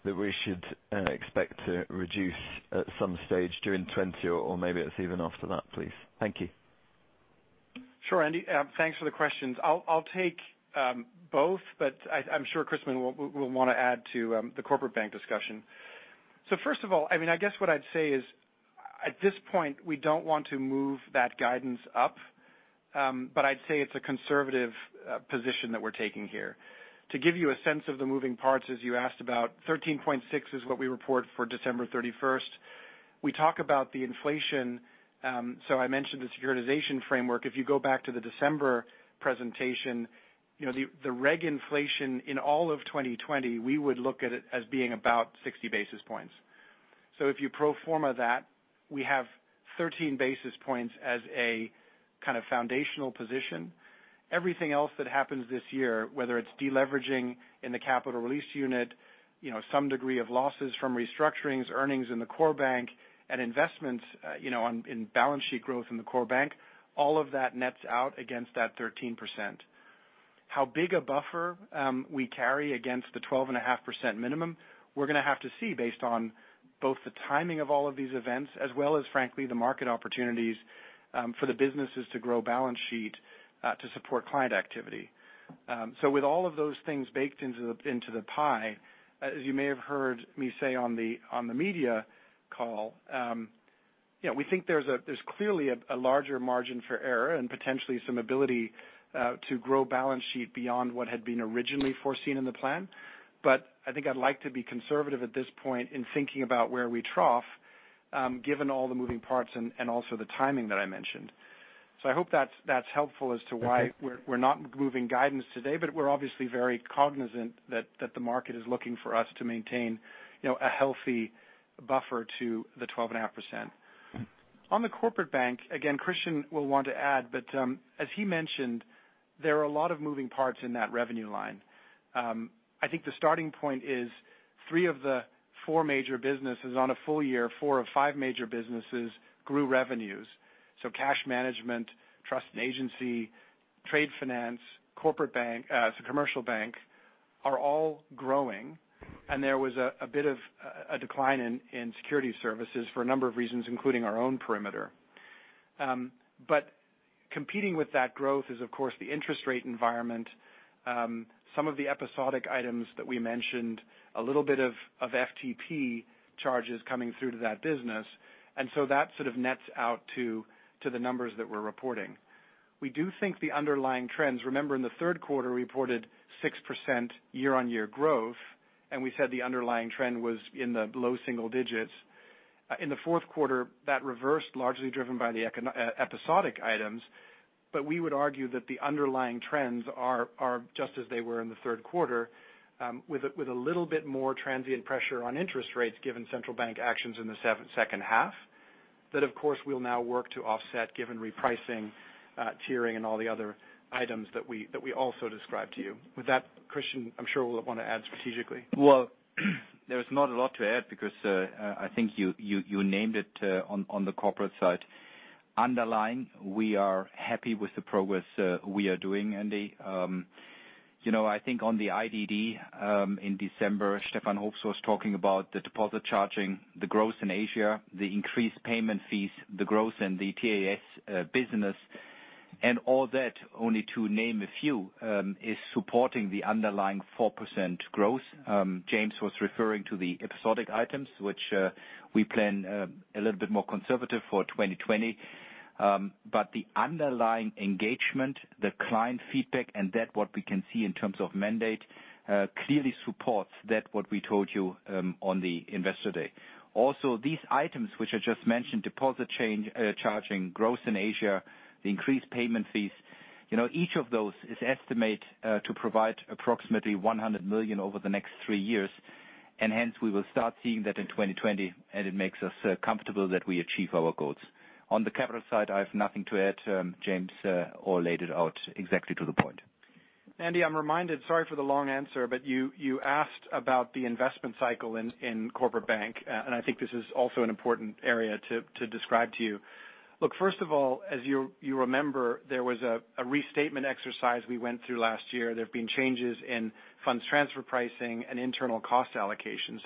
that we should expect to reduce at some stage during 2020 or maybe it's even after that, please. Thank you. Sure, Andy. Thanks for the questions. I'll take both, but I'm sure Christian will want to add to the Corporate Bank discussion. First of all, I guess what I'd say is, at this point, we don't want to move that guidance up, but I'd say it's a conservative position that we're taking here. To give you a sense of the moving parts as you asked about, 13.6% is what we report for December 31st. We talk about the inflation. I mentioned the securitization framework. If you go back to the December presentation, the reg inflation in all of 2020, we would look at it as being about 60 basis points. If you pro forma that, we have 13 basis points as a kind of foundational position. Everything else that happens this year, whether it's deleveraging in the Capital Release Unit, some degree of losses from restructurings, earnings in the Core bank, and investments in balance sheet growth in the Core bank, all of that nets out against that 13%. How big a buffer we carry against the 12.5% minimum, we're going to have to see based on both the timing of all of these events as well as frankly the market opportunities for the businesses to grow balance sheet to support client activity. With all of those things baked into the pie, as you may have heard me say on the media call, we think there's clearly a larger margin for error and potentially some ability to grow balance sheet beyond what had been originally foreseen in the plan. I think I'd like to be conservative at this point in thinking about where we trough, given all the moving parts and also the timing that I mentioned. I hope that's helpful as to why we're not moving guidance today, but we're obviously very cognizant that the market is looking for us to maintain a healthy buffer to the 12.5%. On the Corporate Bank, again, Christian will want to add, but as he mentioned, there are a lot of moving parts in that revenue line. I think the starting point is three of the four major businesses on a full year, four of five major businesses grew revenues. Cash management, Trust and Agency, trade finance, commercial bank are all growing, and there was a bit of a decline in security services for a number of reasons, including our own perimeter. Competing with that growth is, of course, the interest rate environment. Some of the episodic items that we mentioned, a little bit of FTP charges coming through to that business. That nets out to the numbers that we're reporting. We do think the underlying trends, remember in the third quarter, we reported 6% year-on-year growth, and we said the underlying trend was in the low single digits. In the fourth quarter, that reversed largely driven by the episodic items. We would argue that the underlying trends are just as they were in the third quarter, with a little bit more transient pressure on interest rates given central bank actions in the second half. That, of course, we'll now work to offset given repricing, tiering, and all the other items that we also described to you. Christian, I'm sure will want to add strategically. Well, there is not a lot to add because I think you named it on the corporate side. Underlying, we are happy with the progress we are doing, Andy. I think on the IDD in December, Stefan Hoops was talking about the deposit charging, the growth in Asia, the increased payment fees, the growth in the TAS business, and all that, only to name a few, is supporting the underlying 4% growth. James was referring to the episodic items, which we plan a little bit more conservative for 2020. The underlying engagement, the client feedback, and that what we can see in terms of mandate, clearly supports that what we told you on the investor day. These items, which I just mentioned, deposit charging, growth in Asia, the increased payment fees, each of those is estimated to provide approximately 100 million over the next three years. Hence, we will start seeing that in 2020, and it makes us comfortable that we achieve our goals. On the capital side, I have nothing to add. James all laid it out exactly to the point. Andy, I'm reminded, sorry for the long answer, but you asked about the investment cycle in Corporate Bank, and I think this is also an important area to describe to you. Look, first of all, as you remember, there was a restatement exercise we went through last year. There have been changes in funds transfer pricing and internal cost allocation.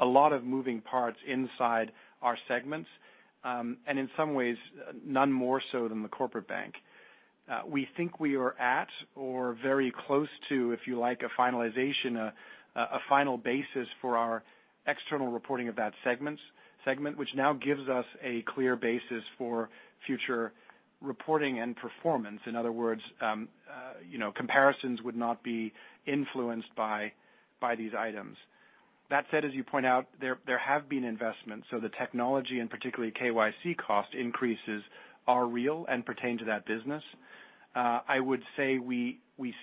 A lot of moving parts inside our segments, and in some ways, none more so than the Corporate Bank. We think we are at or very close to, if you like, a finalization, a final basis for our external reporting of that segment, which now gives us a clear basis for future reporting and performance. In other words, comparisons would not be influenced by these items. That said, as you point out, there have been investments, the technology and particularly KYC cost increases are real and pertain to that business. I would say we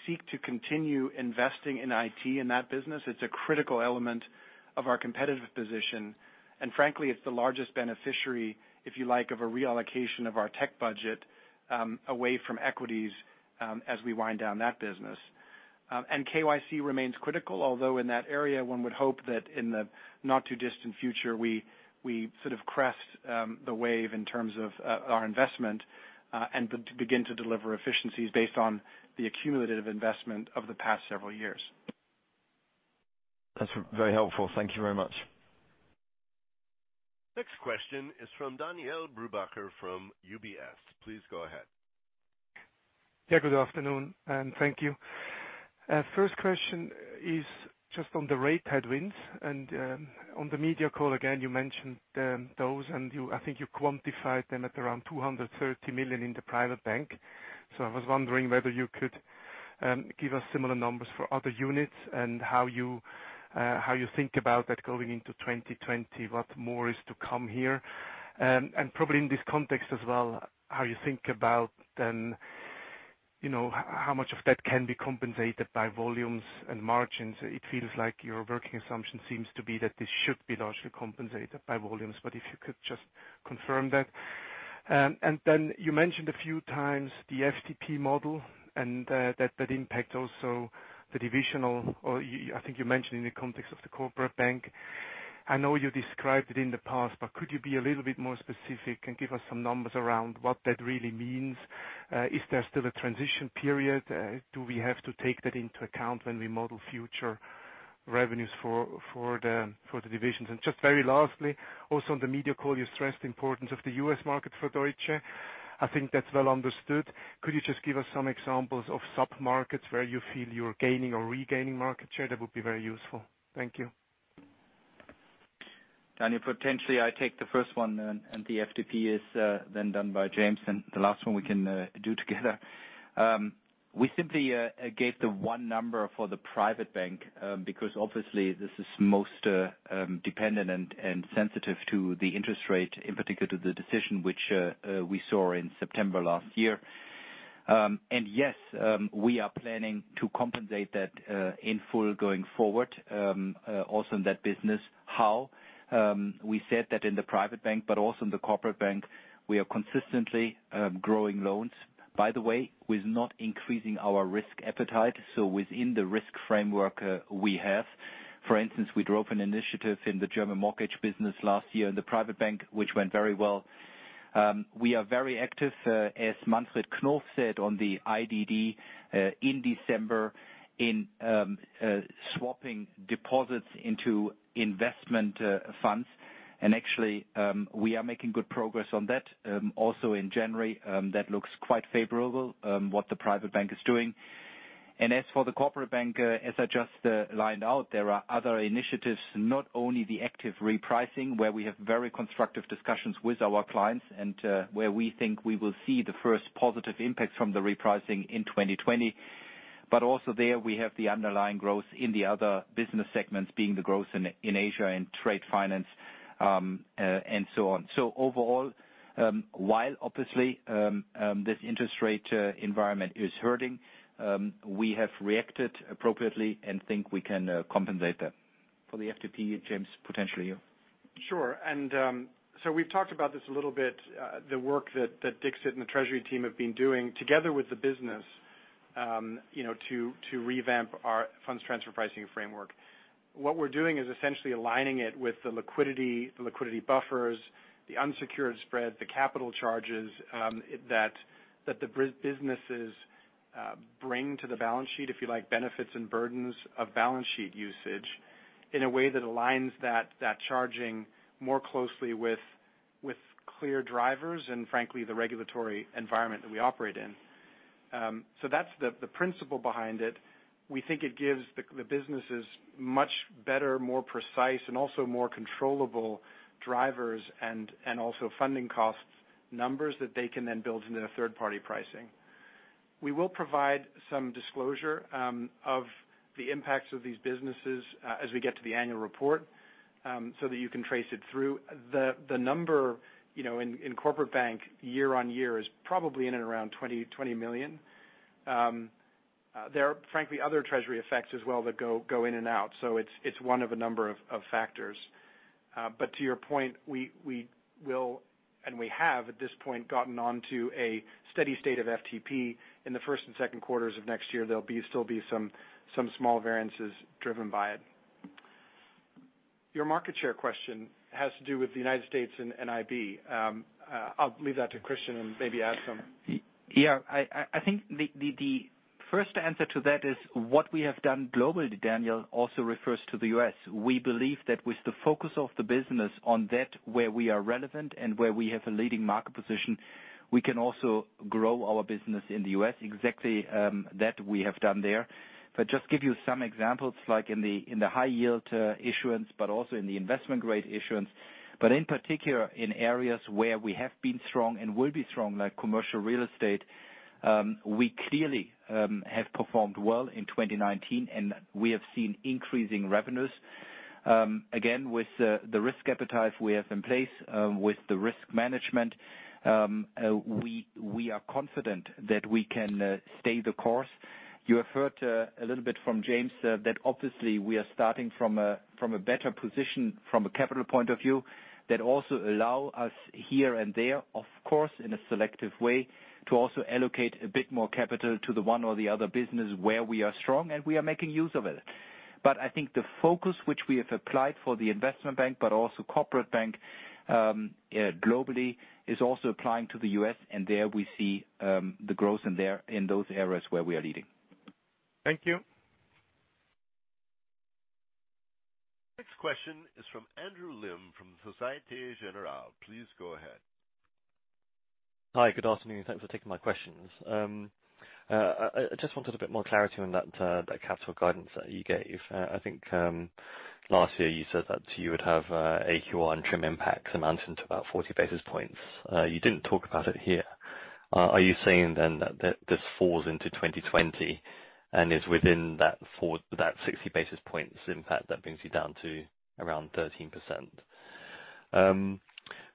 seek to continue investing in IT in that business. It's a critical element of our competitive position. Frankly, it's the largest beneficiary, if you like, of a reallocation of our tech budget away from equities as we wind down that business. KYC remains critical, although in that area, one would hope that in the not too distant future, we crest the wave in terms of our investment and begin to deliver efficiencies based on the accumulative investment of the past several years. That's very helpful. Thank you very much. Next question is from Daniele Brupbacher from UBS. Please go ahead. Good afternoon, and thank you. First question is just on the rate headwinds. On the media call again, you mentioned those, and I think you quantified them at around 230 million in the Private bank. I was wondering whether you could give us similar numbers for other units and how you think about that going into 2020, what more is to come here. Probably in this context as well, how you think about then how much of that can be compensated by volumes and margins. It feels like your working assumption seems to be that this should be largely compensated by volumes, but if you could just confirm that. You mentioned a few times the FTP model and that impact also the divisional, or I think you mentioned in the context of the Corporate Bank. I know you described it in the past, could you be a little bit more specific and give us some numbers around what that really means? Is there still a transition period? Do we have to take that into account when we model future revenues for the divisions? Just very lastly, also on the media call, you stressed the importance of the U.S. market for Deutsche. I think that's well understood. Could you just give us some examples of sub-markets where you feel you're gaining or regaining market share? That would be very useful. Thank you. Daniele, potentially I take the first one and the FTP is then done by James, and the last one we can do together. We simply gave the one number for the Private bank because obviously this is most dependent and sensitive to the interest rate, in particular to the decision which we saw in September last year. Yes, we are planning to compensate that in full going forward, also in that business. How? We said that in the Private bank, but also in the Corporate Bank, we are consistently growing loans. By the way, we're not increasing our risk appetite, so within the risk framework we have. For instance, we drove an initiative in the German mortgage business last year in the Private bank, which went very well. We are very active, as Manfred Knof said on the IDD in December, in swapping deposits into investment funds. Actually, we are making good progress on that. Also in January, that looks quite favorable, what the Private bank is doing. As for the Corporate Bank, as I just lined out, there are other initiatives, not only the active repricing, where we have very constructive discussions with our clients, and where we think we will see the first positive impact from the repricing in 2020. Also there we have the underlying growth in the other business segments, being the growth in Asia and trade finance, and so on. Overall, while obviously, this interest rate environment is hurting, we have reacted appropriately and think we can compensate that. For the FTP, James, potentially you. Sure. We've talked about this a little bit, the work that Dixit and the treasury team have been doing together with the business to revamp our funds transfer pricing framework. What we're doing is essentially aligning it with the liquidity buffers, the unsecured spread, the capital charges that the businesses bring to the balance sheet. If you like, benefits and burdens of balance sheet usage in a way that aligns that charging more closely with clear drivers and frankly, the regulatory environment that we operate in. That's the principle behind it. We think it gives the businesses much better, more precise and also more controllable drivers and also funding costs numbers that they can then build into their third-party pricing. We will provide some disclosure of the impacts of these businesses as we get to the annual report, so that you can trace it through. The number in Corporate Bank year-on-year is probably in and around 20 million. There are, frankly, other treasury effects as well that go in and out. It's one of a number of factors. To your point, we will and we have at this point, gotten on to a steady state of FTP in the first and second quarters of next year. There'll still be some small variances driven by it. Your market share question has to do with the United States and IB. I'll leave that to Christian and maybe add some. Yeah. I think the first answer to that is what we have done globally, Daniele, also refers to the U.S. We believe that with the focus of the business on that, where we are relevant and where we have a leading market position, we can also grow our business in the U.S. Exactly that we have done there. Just give you some examples, like in the high yield issuance, but also in the investment-grade issuance, but in particular in areas where we have been strong and will be strong, like commercial real estate. We clearly have performed well in 2019, and we have seen increasing revenues. Again, with the risk appetite we have in place with the risk management, we are confident that we can stay the course. You have heard a little bit from James that obviously we are starting from a better position from a capital point of view that also allow us here and there, of course, in a selective way, to also allocate a bit more capital to the one or the other business where we are strong, and we are making use of it. I think the focus which we have applied for the Investment bank, but also Corporate Bank globally, is also applying to the U.S. There we see the growth in those areas where we are leading. Thank you. Next question is from Andrew Lim from Societe Generale. Please go ahead. Hi. Good afternoon. Thanks for taking my questions. I just wanted a bit more clarity on that capital guidance that you gave. I think last year you said that you would have AQR and TRIM impacts amounting to about 40 basis points. You didn't talk about it here. Are you saying that this falls into 2020 and is within that 60 basis points impact that brings you down to around 13%?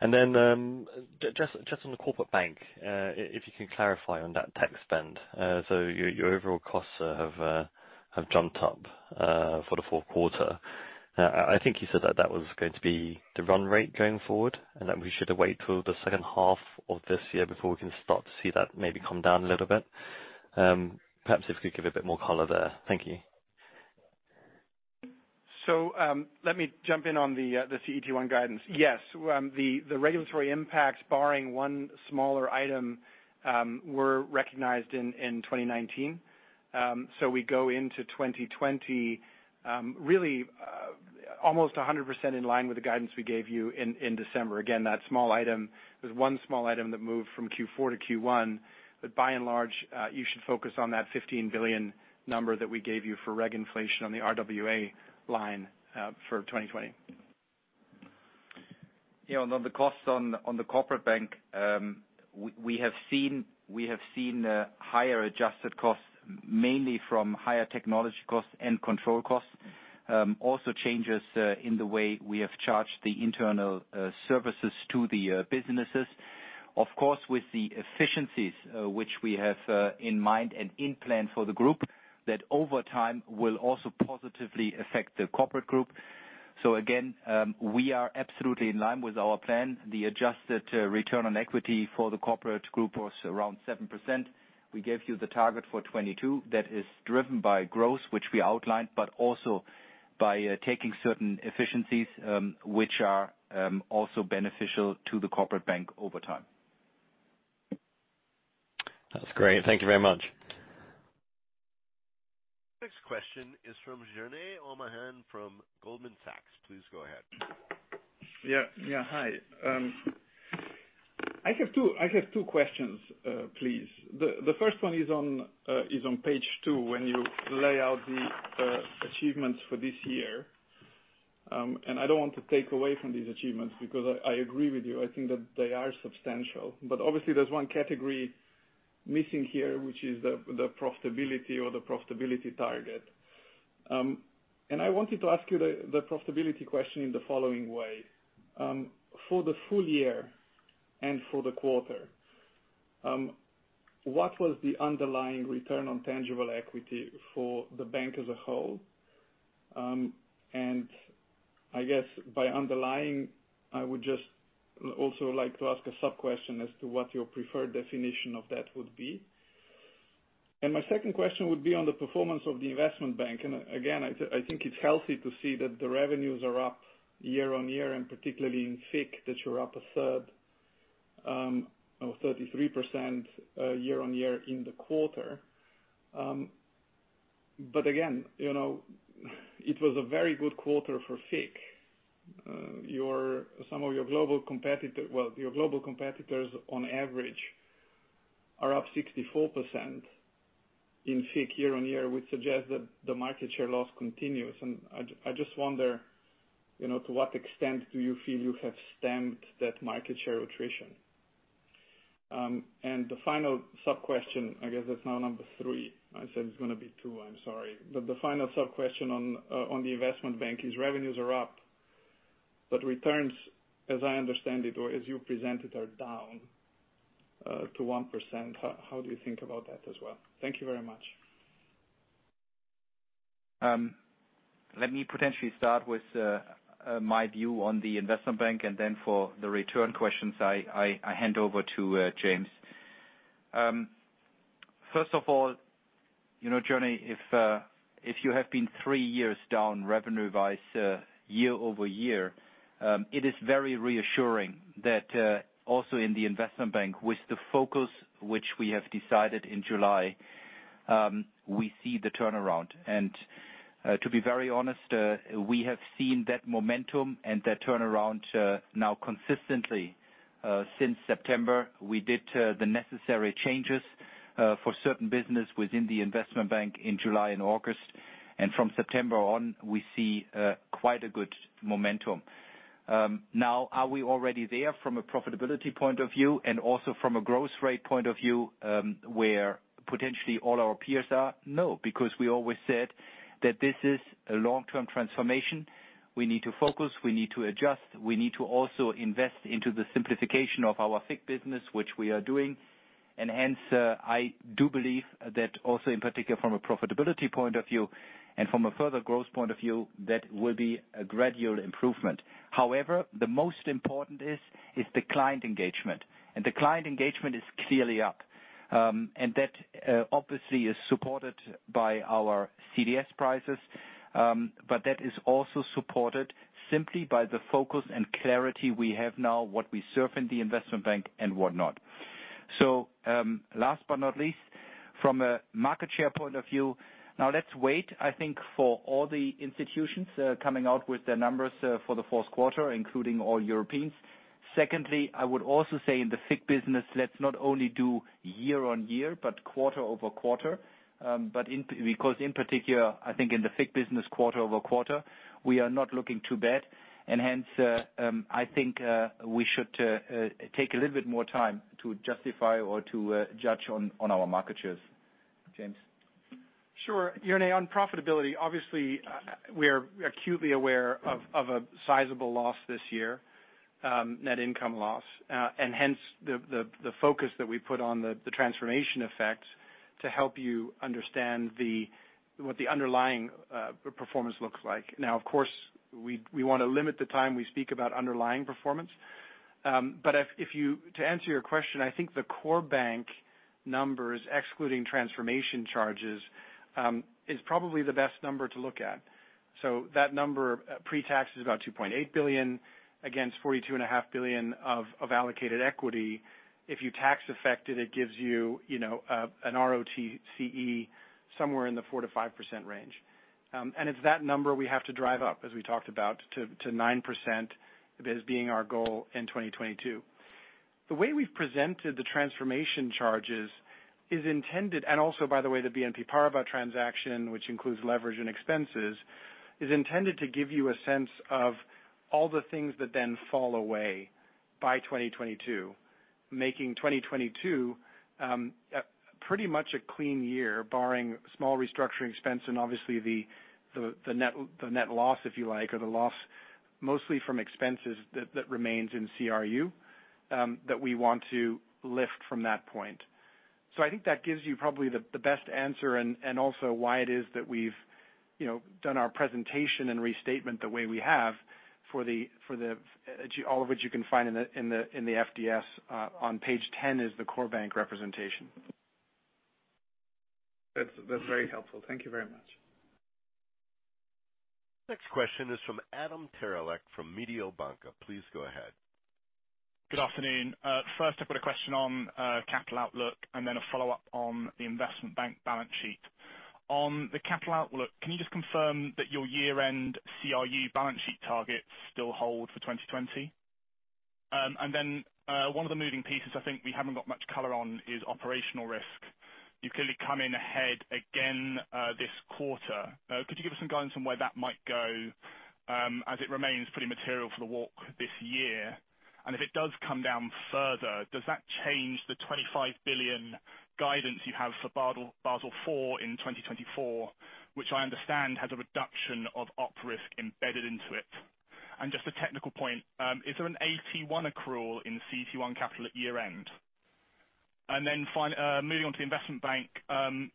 Just on the Corporate Bank, if you can clarify on that tech spend. Your overall costs have jumped up for the fourth quarter. I think you said that that was going to be the run rate going forward, and that we should wait till the second half of this year before we can start to see that maybe come down a little bit. Perhaps if you could give a bit more color there. Thank you. Let me jump in on the CET1 guidance. Yes. The regulatory impacts barring one smaller item were recognized in 2019. We go into 2020 really almost 100% in line with the guidance we gave you in December. There's one small item that moved from Q4 to Q1. By and large, you should focus on that 15 billion number that we gave you for reg inflation on the RWA line for 2020. Yeah. On the costs on the Corporate Bank, we have seen higher adjusted costs, mainly from higher technology costs and control costs. Also changes in the way we have charged the internal services to the businesses. Of course, with the efficiencies which we have in mind and in plan for the group, that over time will also positively affect the Corporate Bank. Again, we are absolutely in line with our plan. The adjusted return on equity for the Corporate Bank was around 7%. We gave you the target for 2022 that is driven by growth, which we outlined, but also by taking certain efficiencies, which are also beneficial to the Corporate Bank over time. That's great. Thank you very much. Next question is from Jernej Omahen from Goldman Sachs. Please go ahead. Yeah. Hi. I have two questions, please. The first one is on page two when you lay out the achievements for this year. I don't want to take away from these achievements because I agree with you. I think that they are substantial. Obviously there's one category missing here, which is the profitability or the profitability target. I wanted to ask you the profitability question in the following way. For the full year and for the quarter, what was the underlying return on tangible equity for the bank as a whole? I guess by underlying, I would just also like to ask a sub-question as to what your preferred definition of that would be. My second question would be on the performance of the Investment bank. Again, I think it's healthy to see that the revenues are up year-on-year, particularly in FICC, that you're up a third, or 33% year-on-year in the quarter. Again, it was a very good quarter for FICC. Your global competitors on average are up 64% in FICC year-on-year, which suggests that the market share loss continues, and I just wonder to what extent do you feel you have stemmed that market share attrition? The final sub-question, I guess that's now number three. I said it's going to be two, I'm sorry. The final sub-question on the Investment bank is revenues are up, but returns, as I understand it, or as you present it, are down to 1%. How do you think about that as well? Thank you very much. Let me potentially start with my view on the Investment bank, and then for the return questions, I hand over to James. First of all, Jernej, if you have been three years down revenue-wise year-over-year, it is very reassuring that also in the Investment bank with the focus which we have decided in July, we see the turnaround. To be very honest, we have seen that momentum and that turnaround now consistently since September. We did the necessary changes for certain business within the Investment bank in July and August, and from September on, we see quite a good momentum. Now, are we already there from a profitability point of view and also from a growth rate point of view, where potentially all our peers are? No, because we always said that this is a long-term transformation. We need to focus, we need to adjust, we need to also invest into the simplification of our FICC business, which we are doing. Hence, I do believe that also in particular from a profitability point of view and from a further growth point of view, that will be a gradual improvement. However, the most important is the client engagement. The client engagement is clearly up. That obviously is supported by our CDS prices, that is also supported simply by the focus and clarity we have now what we serve in the Investment bank and whatnot. Last but not least, from a market share point of view, now let's wait, I think, for all the institutions coming out with their numbers for the fourth quarter, including all Europeans. Secondly, I would also say in the FICC business, let's not only do year-on-year, but quarter-over-quarter. In particular, I think in the FICC business quarter-over-quarter, we are not looking too bad. Hence, I think we should take a little bit more time to justify or to judge on our market shares. James. Sure. Jernej, on profitability, obviously we are acutely aware of a sizable loss this year, net income loss. Hence the focus that we put on the transformation effects to help you understand what the underlying performance looks like. Of course, we want to limit the time we speak about underlying performance. To answer your question, I think the Core bank numbers, excluding transformation charges, is probably the best number to look at. That number pre-tax is about 2.8 billion against 42.5 billion of allocated equity. If you tax affect it gives you an ROTCE somewhere in the 4%-5% range. It's that number we have to drive up, as we talked about, to 9% as being our goal in 2022. The way we've presented the transformation charges is intended, and also, by the way, the BNP Paribas transaction, which includes leverage and expenses, is intended to give you a sense of all the things that then fall away by 2022. Making 2022 pretty much a clean year barring small restructuring expense and obviously the net loss, if you like, or the loss mostly from expenses that remains in CRU, that we want to lift from that point. I think that gives you probably the best answer and also why it is that we've done our presentation and restatement the way we have all of which you can find in the FDS. On page 10 is the Core bank representation. That's very helpful. Thank you very much. Next question is from Adam Terelak from Mediobanca. Please go ahead. Good afternoon. First I've got a question on capital outlook and then a follow-up on the Investment bank balance sheet. On the capital outlook, can you just confirm that your year-end CRU balance sheet targets still hold for 2020? Then one of the moving pieces I think we haven't got much color on is operational risk. You clearly come in ahead again this quarter. Could you give us some guidance on where that might go, as it remains pretty material for the walk this year? If it does come down further, does that change the 25 billion guidance you have for Basel IV in 2024, which I understand has a reduction of op risk embedded into it? Just a technical point, is there an AT1 accrual in CET1 capital at year-end? Finally, moving on to the Investment bank,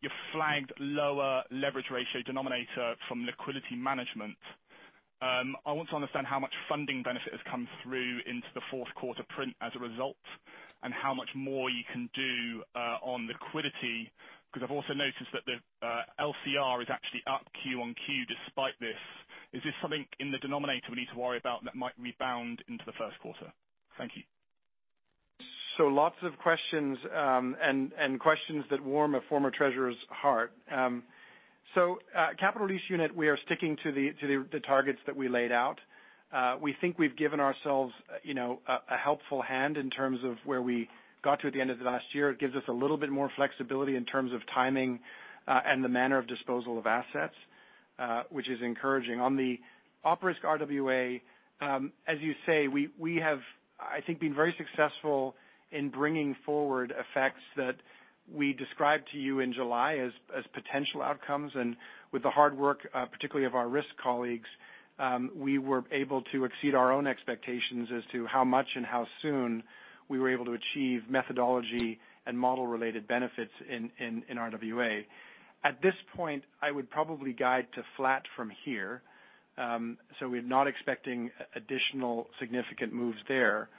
you flagged lower leverage ratio denominator from liquidity management. I want to understand how much funding benefit has come through into the fourth quarter print as a result, and how much more you can do on liquidity. I've also noticed that the LCR is actually up Q on Q despite this. Is this something in the denominator we need to worry about that might rebound into the first quarter? Thank you. Lots of questions, and questions that warm a former treasurer's heart. Capital Release Unit, we are sticking to the targets that we laid out. We think we've given ourselves a helpful hand in terms of where we got to at the end of last year. It gives us a little bit more flexibility in terms of timing and the manner of disposal of assets, which is encouraging. On the op risk RWA, as you say, we have, I think, been very successful in bringing forward effects that we described to you in July as potential outcomes. With the hard work, particularly of our risk colleagues, we were able to exceed our own expectations as to how much and how soon we were able to achieve methodology and model-related benefits in RWA. At this point, I would probably guide to flat from here. We're not expecting additional significant moves there.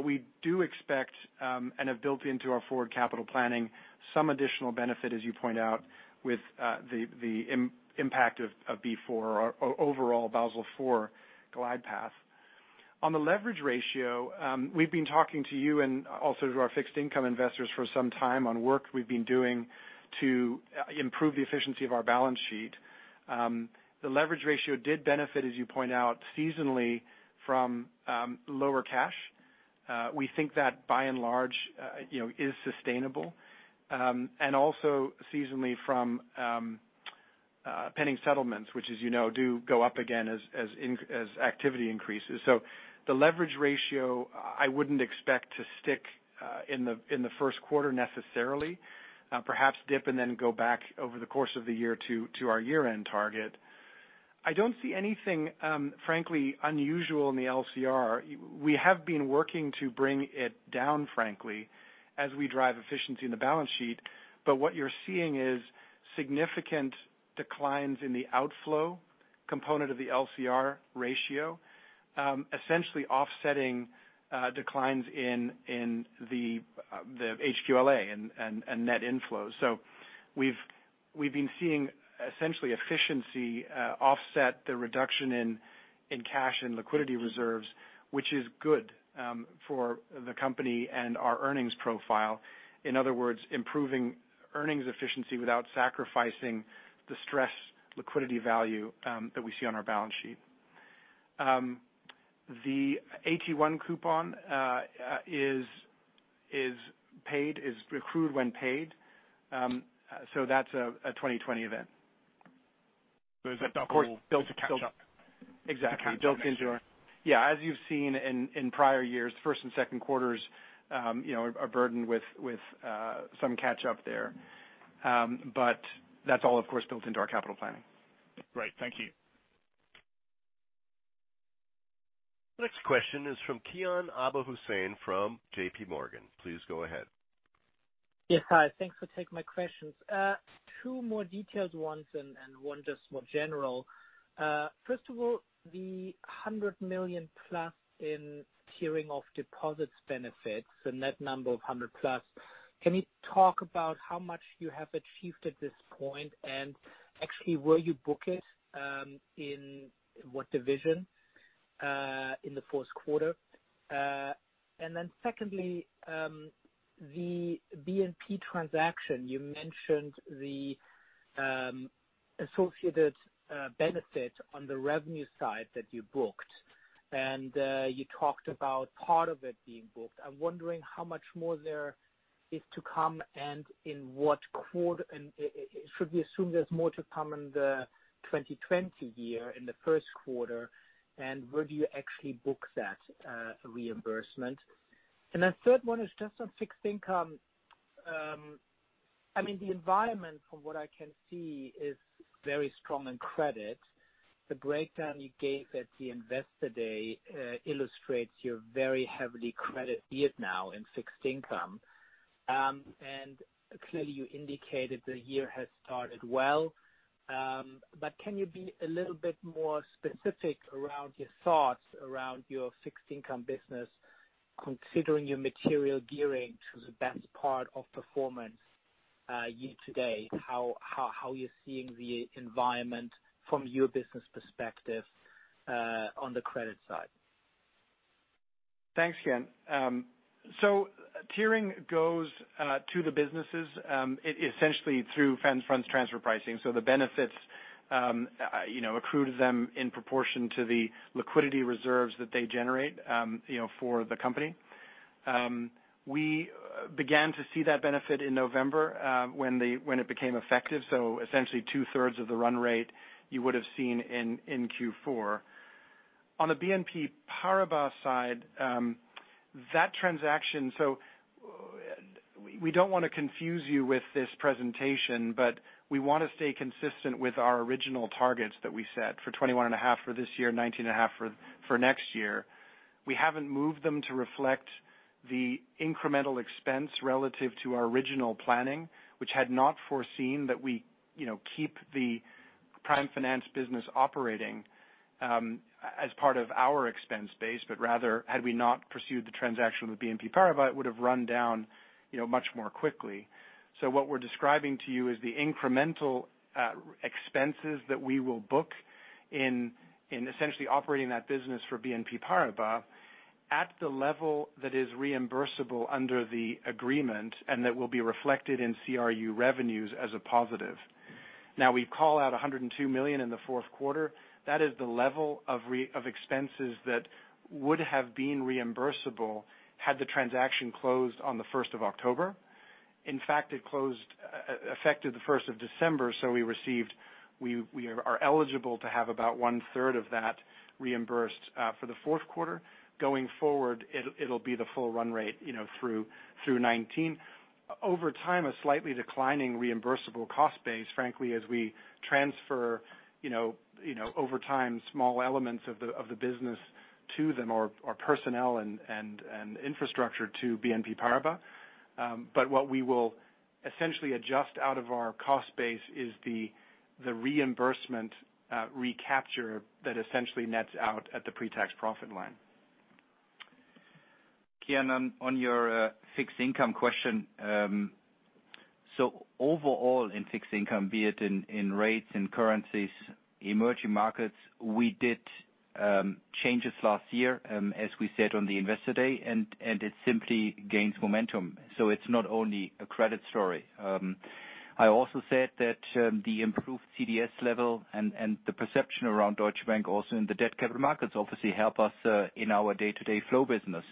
We do expect, and have built into our forward capital planning, some additional benefit, as you point out, with the impact of B4 or overall Basel IV glide path. On the leverage ratio, we've been talking to you and also to our fixed income investors for some time on work we've been doing to improve the efficiency of our balance sheet. The leverage ratio did benefit, as you point out, seasonally from lower cash. We think that by and large is sustainable. Also seasonally from pending settlements, which as you know, do go up again as activity increases. The leverage ratio I wouldn't expect to stick in the first quarter necessarily. Perhaps dip and then go back over the course of the year to our year-end target. I don't see anything, frankly, unusual in the LCR. We have been working to bring it down, frankly, as we drive efficiency in the balance sheet. What you're seeing is significant declines in the outflow component of the LCR ratio essentially offsetting declines in the HQLA and net inflows. We've been seeing essentially efficiency offset the reduction in cash and liquidity reserves, which is good for the company and our earnings profile. In other words, improving earnings efficiency without sacrificing the stress liquidity value that we see on our balance sheet. The AT1 coupon is accrued when paid. That's a 2020 event. It's built to catch up. Exactly. As you've seen in prior years, first and second quarters are burdened with some catch-up there. That's all, of course, built into our capital planning. Great. Thank you. Next question is from Kian Abouhossein from JPMorgan. Please go ahead. Yes. Hi. Thanks for taking my questions. Two more detailed ones and one just more general. First of all, the 100 million-plus in tiering of deposits benefits, the net number of 100 million-plus. Can you talk about how much you have achieved at this point? Actually, where you book it, in what division, in the fourth quarter? Secondly, the BNP transaction. You mentioned the associated benefit on the revenue side that you booked, and you talked about part of it being booked. I'm wondering how much more there is to come, and in what quarter, and should we assume there's more to come in the 2020 year, in the first quarter, and where do you actually book that reimbursement? Third one is just on fixed income. The environment from what I can see is very strong in credit. The breakdown you gave at the investor day illustrates you're very heavily credit-biased now in fixed income. Clearly, you indicated the year has started well. Can you be a little bit more specific around your thoughts around your fixed income business, considering your material gearing to the best part of performance year to date? How you're seeing the environment from your business perspective on the credit side? Thanks, Kian. Tiering goes to the businesses essentially through funds transfer pricing. The benefits accrue to them in proportion to the liquidity reserves that they generate for the company. We began to see that benefit in November when it became effective. Essentially two-thirds of the run rate you would have seen in Q4. On the BNP Paribas side, that transaction, so we don't want to confuse you with this presentation, but we want to stay consistent with our original targets that we set for 21.5 billion for this year, 19.5 billion for next year. We haven't moved them to reflect the incremental expense relative to our original planning, which had not foreseen that we keep the prime finance business operating as part of our expense base, but rather had we not pursued the transaction with BNP Paribas, it would have run down much more quickly. What we're describing to you is the incremental expenses that we will book in essentially operating that business for BNP Paribas at the level that is reimbursable under the agreement and that will be reflected in CRU revenues as a positive. We call out 102 million in the fourth quarter. That is the level of expenses that would have been reimbursable had the transaction closed on the 1st of October. It affected the 1st of December, so we are eligible to have about one-third of that reimbursed for the fourth quarter. Going forward, it'll be the full run rate through 2019. Over time, a slightly declining reimbursable cost base, frankly, as we transfer over time small elements of the business to them or personnel and infrastructure to BNP Paribas. What we will essentially adjust out of our cost base is the reimbursement recapture that essentially nets out at the pre-tax profit line. Kian, on your fixed income question. Overall in fixed income, be it in rates and currencies, emerging markets, we did changes last year, as we said on the investor day, and it simply gains momentum. It's not only a credit story. I also said that the improved CDS level and the perception around Deutsche Bank also in the debt capital markets obviously help us in our day-to-day flow business.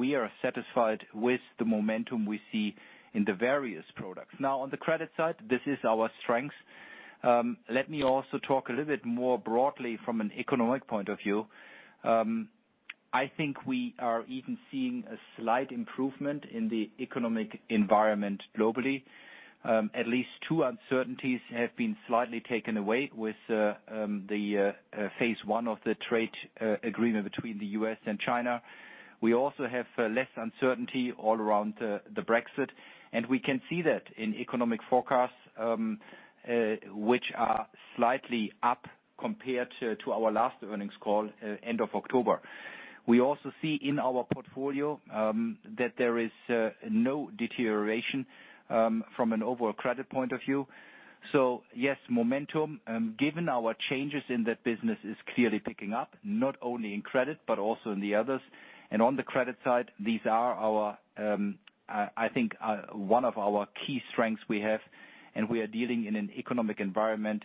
We are satisfied with the momentum we see in the various products. Now, on the credit side, this is our strength. Let me also talk a little bit more broadly from an economic point of view. I think we are even seeing a slight improvement in the economic environment globally. At least two uncertainties have been slightly taken away with the phase one of the trade agreement between the U.S. and China. We also have less uncertainty all around Brexit, and we can see that in economic forecasts, which are slightly up compared to our last earnings call end of October. We also see in our portfolio that there is no deterioration from an overall credit point of view. Yes, momentum, given our changes in that business, is clearly picking up, not only in credit but also in the others. On the credit side, these are I think one of our key strengths we have, and we are dealing in an economic environment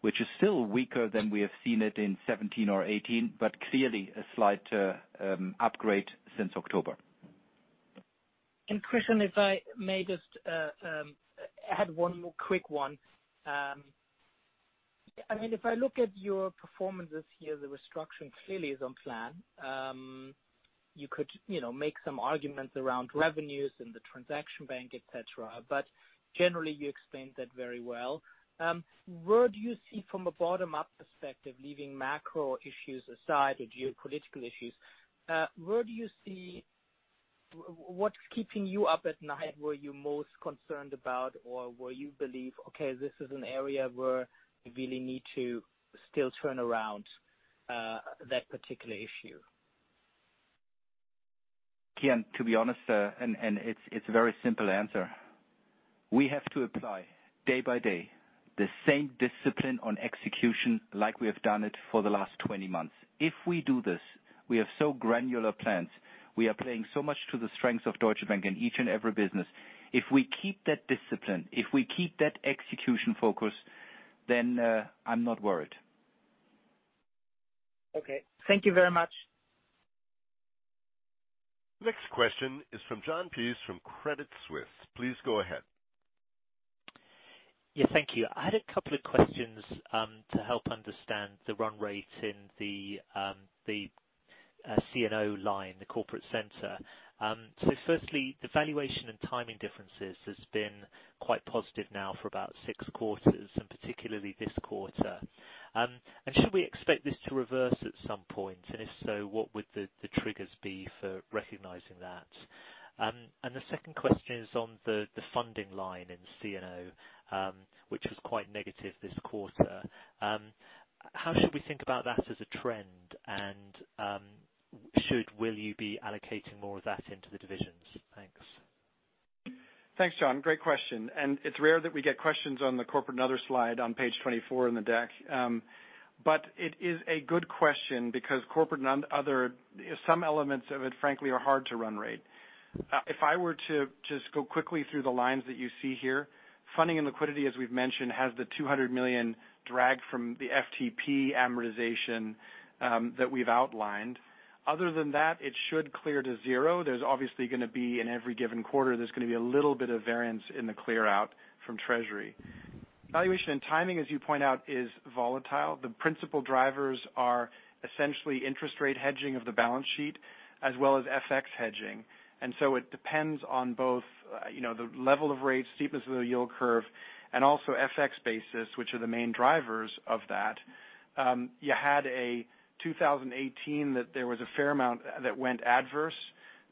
which is still weaker than we have seen it in 2017 or 2018, but clearly a slight upgrade since October. Christian, if I may just add one more quick one. If I look at your performances here, the restructure clearly is on plan. You could make some arguments around revenues and the transaction bank, et cetera, but generally you explained that very well. Where do you see from a bottom-up perspective, leaving macro issues aside or geopolitical issues, what's keeping you up at night? What are you most concerned about or where you believe, okay, this is an area where we really need to still turn around that particular issue? Kian, to be honest, it's a very simple answer. We have to apply day by day the same discipline on execution like we have done it for the last 20 months. If we do this, we have so granular plans. We are playing so much to the strengths of Deutsche Bank in each and every business. If we keep that discipline, if we keep that execution focus, I'm not worried. Okay. Thank you very much. Next question is from Jon Peace from Credit Suisse. Please go ahead. Yeah, thank you. I had a couple of questions to help understand the run rate in the C&O line, the corporate center. Firstly, the valuation and timing differences has been quite positive now for about six quarters, and particularly this quarter. Should we expect this to reverse at some point? If so, what would the triggers be for recognizing that? The second question is on the funding line in C&O, which was quite negative this quarter. How should we think about that as a trend? Will you be allocating more of that into the divisions? Thanks. Thanks, Jon. Great question. It's rare that we get questions on the corporate and other slide on page 24 in the deck. It is a good question because corporate and other, some elements of it, frankly, are hard to run rate. If I were to just go quickly through the lines that you see here, funding and liquidity, as we've mentioned, has the 200 million drag from the FTP amortization that we've outlined. Other than that, it should clear to zero. There's obviously going to be, in every given quarter, there's going to be a little bit of variance in the clear out from treasury. Valuation and timing, as you point out, is volatile. The principal drivers are essentially interest rate hedging of the balance sheet as well as FX hedging. It depends on both the level of rates, steepness of the yield curve, and also FX basis, which are the main drivers of that. You had a 2018 that there was a fair amount that went adverse,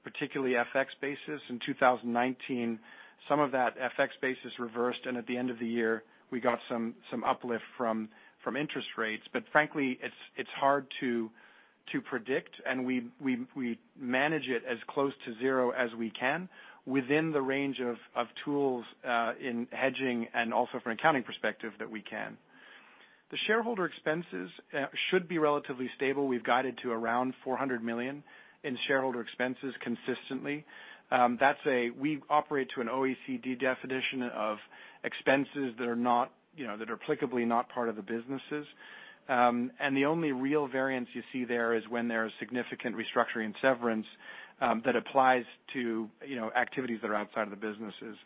particularly FX basis. In 2019, some of that FX basis reversed, and at the end of the year, we got some uplift from interest rates. Frankly, it's hard to predict, and we manage it as close to zero as we can within the range of tools in hedging and also from an accounting perspective that we can. The shareholder expenses should be relatively stable. We've guided to around 400 million in shareholder expenses consistently. We operate to an OECD definition of expenses that are applicably not part of the businesses. The only real variance you see there is when there is significant restructuring and severance that applies to activities that are outside of the businesses.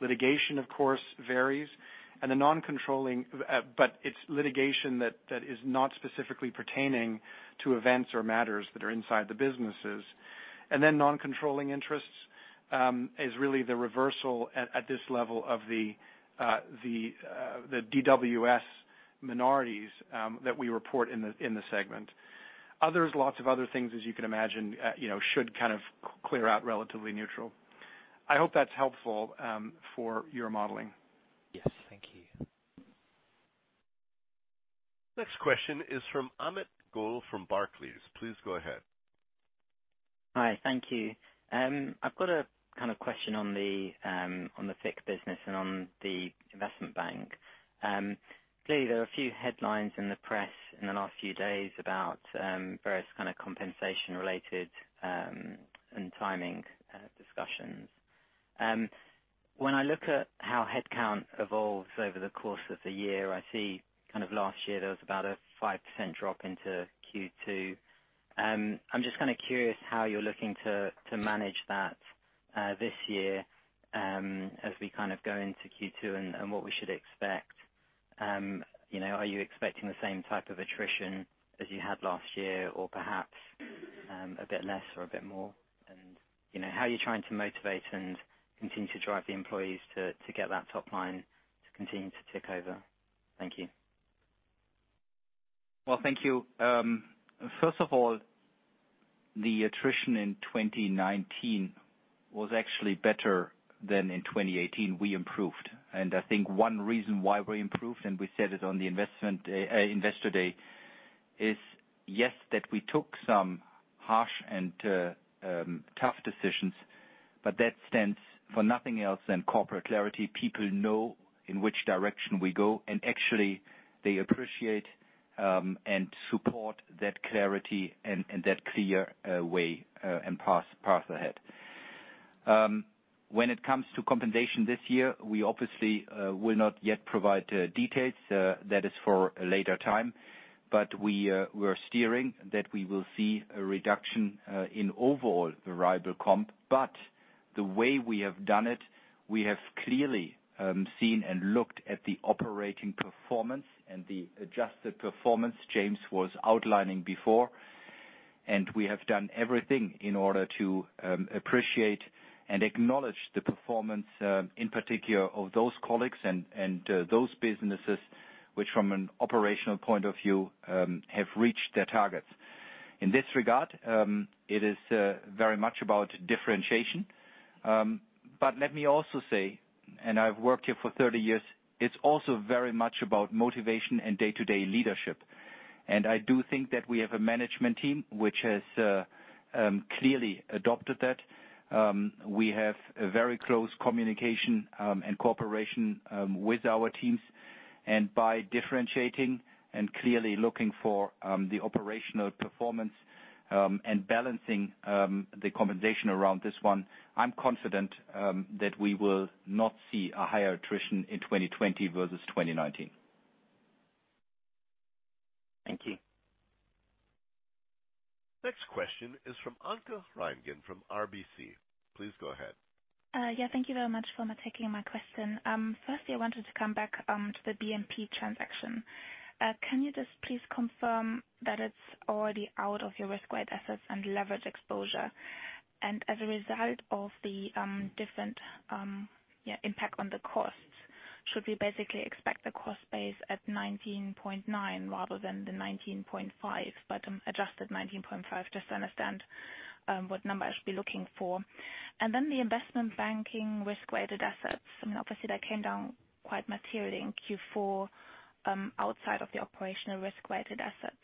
Litigation, of course, varies, but it's litigation that is not specifically pertaining to events or matters that are inside the businesses. Non-controlling interests is really the reversal at this level of the DWS minorities that we report in the segment. Others, lots of other things, as you can imagine should kind of clear out relatively neutral. I hope that's helpful for your modeling. Yes. Thank you. Next question is from Amit Goel from Barclays. Please go ahead. Hi, thank you. I've got a kind of question on the FICC business and on the Investment bank. Clearly, there are a few headlines in the press in the last few days about various kind of compensation-related and timing discussions. When I look at how headcount evolves over the course of the year, I see kind of last year there was about a 5% drop into Q2. I'm just kind of curious how you're looking to manage that this year as we kind of go into Q2 and what we should expect. Are you expecting the same type of attrition as you had last year, or perhaps a bit less or a bit more? How are you trying to motivate and continue to drive the employees to get that top line to continue to tick over? Thank you. Well, thank you. First of all, the attrition in 2019 was actually better than in 2018. We improved. I think one reason why we improved, and we said it on the investor day, is yes, that we took some harsh and tough decisions, but that stands for nothing else than corporate clarity. People know in which direction we go, and actually they appreciate and support that clarity and that clear way and path ahead. When it comes to compensation this year, we obviously will not yet provide details. That is for a later time. We are steering that we will see a reduction in overall variable comp. The way we have done it, we have clearly seen and looked at the operating performance and the adjusted performance James was outlining before. We have done everything in order to appreciate and acknowledge the performance, in particular of those colleagues and those businesses, which from an operational point of view have reached their targets. In this regard, it is very much about differentiation. Let me also say, and I've worked here for 30 years, it's also very much about motivation and day-to-day leadership. I do think that we have a management team which has clearly adopted that. We have a very close communication and cooperation with our teams, and by differentiating and clearly looking for the operational performance and balancing the compensation around this one, I'm confident that we will not see a higher attrition in 2020 versus 2019. Thank you. Next question is from Anke Reingen from RBC. Please go ahead. Yeah. Thank you very much for taking my question. Firstly, I wanted to come back to the BNP transaction. Can you just please confirm that it's already out of your risk-weighted assets and leverage exposure? As a result of the different impact on the costs, should we basically expect the cost base at 19.9 billion rather than the 19.5 billion but adjusted 19.5 billion just to understand what number I should be looking for? Then the Investment banking risk-weighted assets. I mean, obviously that came down quite materially in Q4 outside of the operational risk-weighted assets.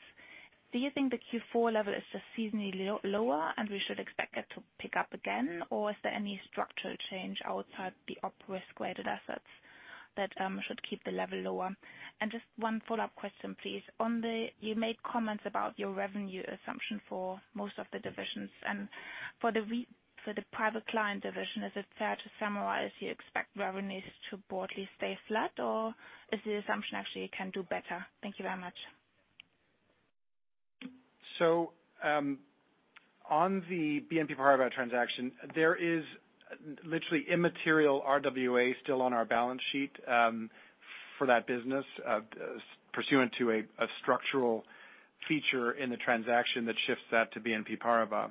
Do you think the Q4 level is just seasonally lower, and we should expect it to pick up again? Or is there any structural change outside the op risk-weighted assets that should keep the level lower? Just one follow-up question, please. You made comments about your revenue assumption for most of the divisions. For the Private Client division, is it fair to summarize you expect revenues to broadly stay flat, or is the assumption actually it can do better? Thank you very much. On the BNP Paribas transaction, there is literally immaterial RWA still on our balance sheet for that business, pursuant to a structural feature in the transaction that shifts that to BNP Paribas.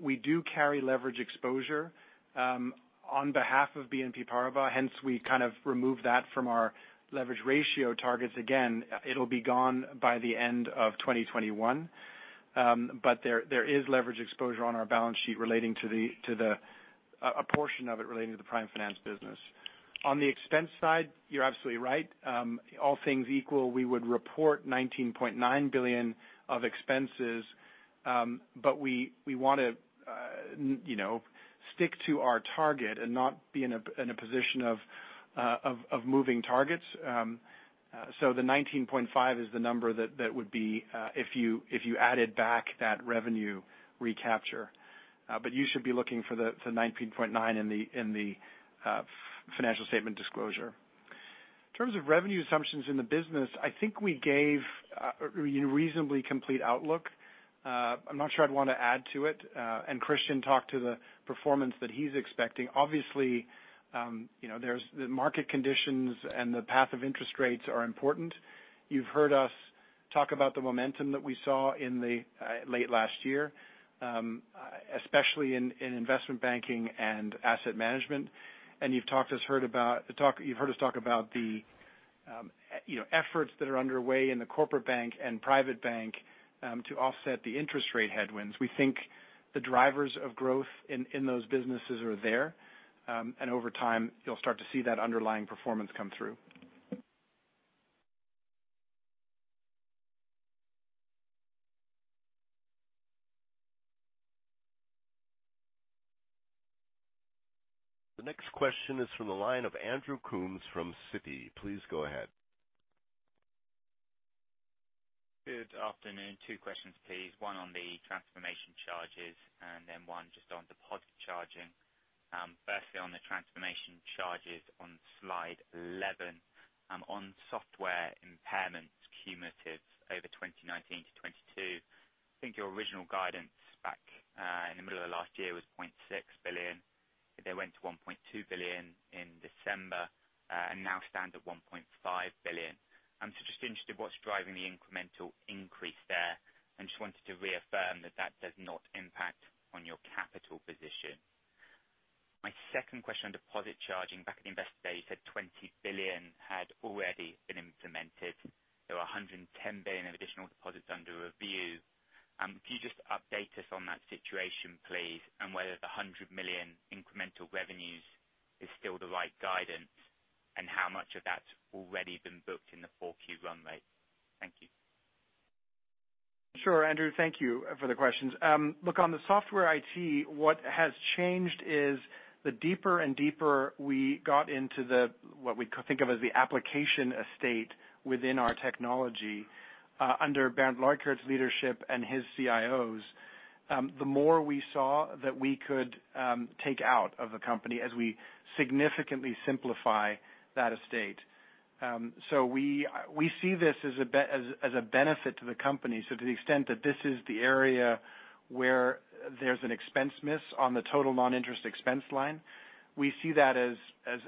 We do carry leverage exposure on behalf of BNP Paribas, hence we kind of remove that from our leverage ratio targets. Again, it will be gone by the end of 2021. There is leverage exposure on our balance sheet, a portion of it relating to the Prime Finance business. On the expense side, you are absolutely right. All things equal, we would report 19.9 billion of expenses. We want to stick to our target and not be in a position of moving targets. The 19.5 billion is the number that would be if you added back that revenue recapture. You should be looking for the 19.9 billion in the financial statement disclosure. In terms of revenue assumptions in the business, I think we gave a reasonably complete outlook. I'm not sure I'd want to add to it. Christian talked to the performance that he's expecting. Obviously, the market conditions and the path of interest rates are important. You've heard us talk about the momentum that we saw late last year, especially in Investment banking and Asset Management. You've heard us talk about the efforts that are underway in the Corporate Bank and Private bank to offset the interest rate headwinds. We think the drivers of growth in those businesses are there. Over time, you'll start to see that underlying performance come through. The next question is from the line of Andrew Coombs from Citi. Please go ahead. Good afternoon. Two questions, please. One on the transformation charges, and then one just on deposit charging. Firstly, on the transformation charges on slide 11. On software impairments cumulative over 2019 to 2022, I think your original guidance back in the middle of last year was 0.6 billion. They went to 1.2 billion in December, and now stand at 1.5 billion. I'm just interested what's driving the incremental increase there, and just wanted to reaffirm that that does not impact on your capital position. My second question on deposit charging. Back at the Investor Day, you said 20 billion had already been implemented. There were 110 billion of additional deposits under review. Can you just update us on that situation, please, and whether the 100 million incremental revenues is still the right guidance, and how much of that's already been booked in the 4Q run rate? Thank you. Sure, Andrew. Thank you for the questions. Look, on the software IT, what has changed is the deeper and deeper we got into what we think of as the application estate within our technology, under Bernd Leukert's leadership and his CIOs, the more we saw that we could take out of the company as we significantly simplify that estate. We see this as a benefit to the company. To the extent that this is the area where there's an expense miss on the total non-interest expense line, we see that as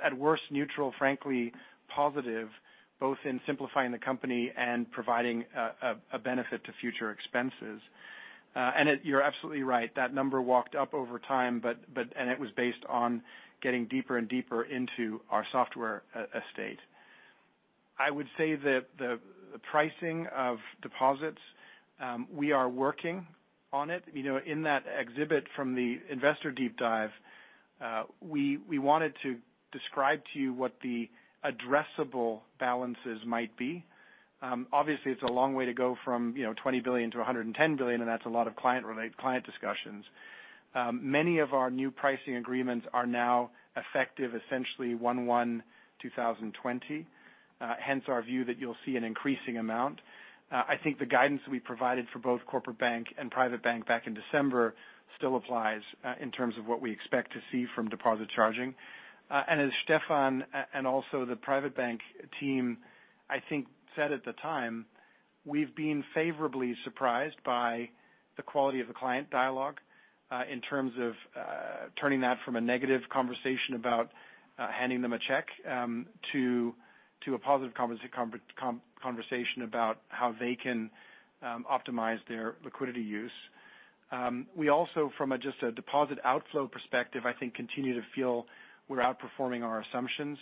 at worst neutral, frankly positive, both in simplifying the company and providing a benefit to future expenses. You're absolutely right. That number walked up over time, and it was based on getting deeper and deeper into our software estate. I would say that the pricing of deposits, we are working on it. In that exhibit from the Investor Deep Dive, we wanted to describe to you what the addressable balances might be. Obviously, it's a long way to go from 20 billion to 110 billion, and that's a lot of client discussions. Many of our new pricing agreements are now effective essentially January 1, 2020, hence our view that you'll see an increasing amount. I think the guidance we provided for both Corporate Bank and Private bank back in December still applies in terms of what we expect to see from deposit charging. As Stefan and also the Private bank team, I think, said at the time, we've been favorably surprised by the quality of the client dialogue in terms of turning that from a negative conversation about handing them a check to a positive conversation about how they can optimize their liquidity use. We also, from just a deposit outflow perspective, I think, continue to feel we're outperforming our assumptions.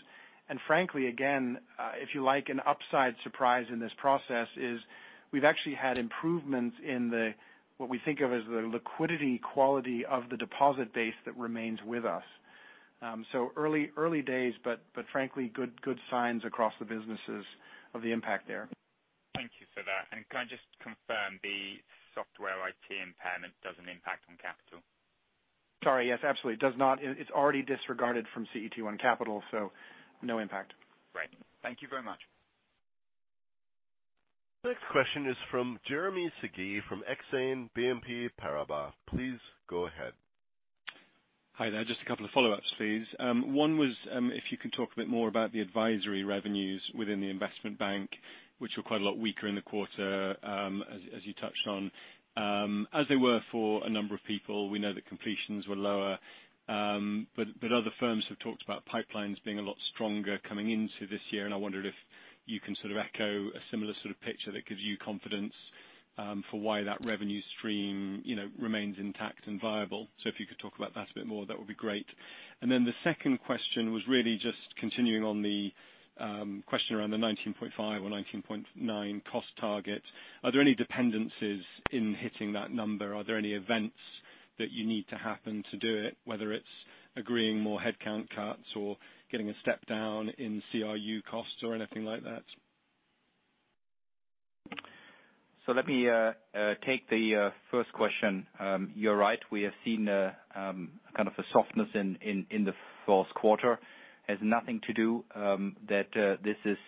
Frankly, again, if you like, an upside surprise in this process is we've actually had improvements in what we think of as the liquidity quality of the deposit base that remains with us. Early days, but frankly, good signs across the businesses of the impact there. Thank you for that. Can I just confirm the software IT impairment doesn't impact on capital? Sorry. Yes, absolutely. It does not. It's already disregarded from CET1 capital, so no impact. Right. Thank you very much. Next question is from Jeremy Sigee from Exane BNP Paribas. Please go ahead. Hi there. Just a couple of follow-ups, please. One was if you can talk a bit more about the advisory revenues within the Investment bank, which were quite a lot weaker in the quarter, as you touched on. As they were for a number of people, we know that completions were lower. Other firms have talked about pipelines being a lot stronger coming into this year, and I wondered if you can sort of echo a similar sort of picture that gives you confidence for why that revenue stream remains intact and viable. If you could talk about that a bit more, that would be great. The second question was really just continuing on the question around the 19.5 billion or 19.9 billion cost target. Are there any dependencies in hitting that number? Are there any events that you need to happen to do it, whether it's agreeing more headcount cuts or getting a step down in CRU costs or anything like that? Let me take the first question. You're right. We have seen a kind of a softness in the fourth quarter, has nothing to do that this is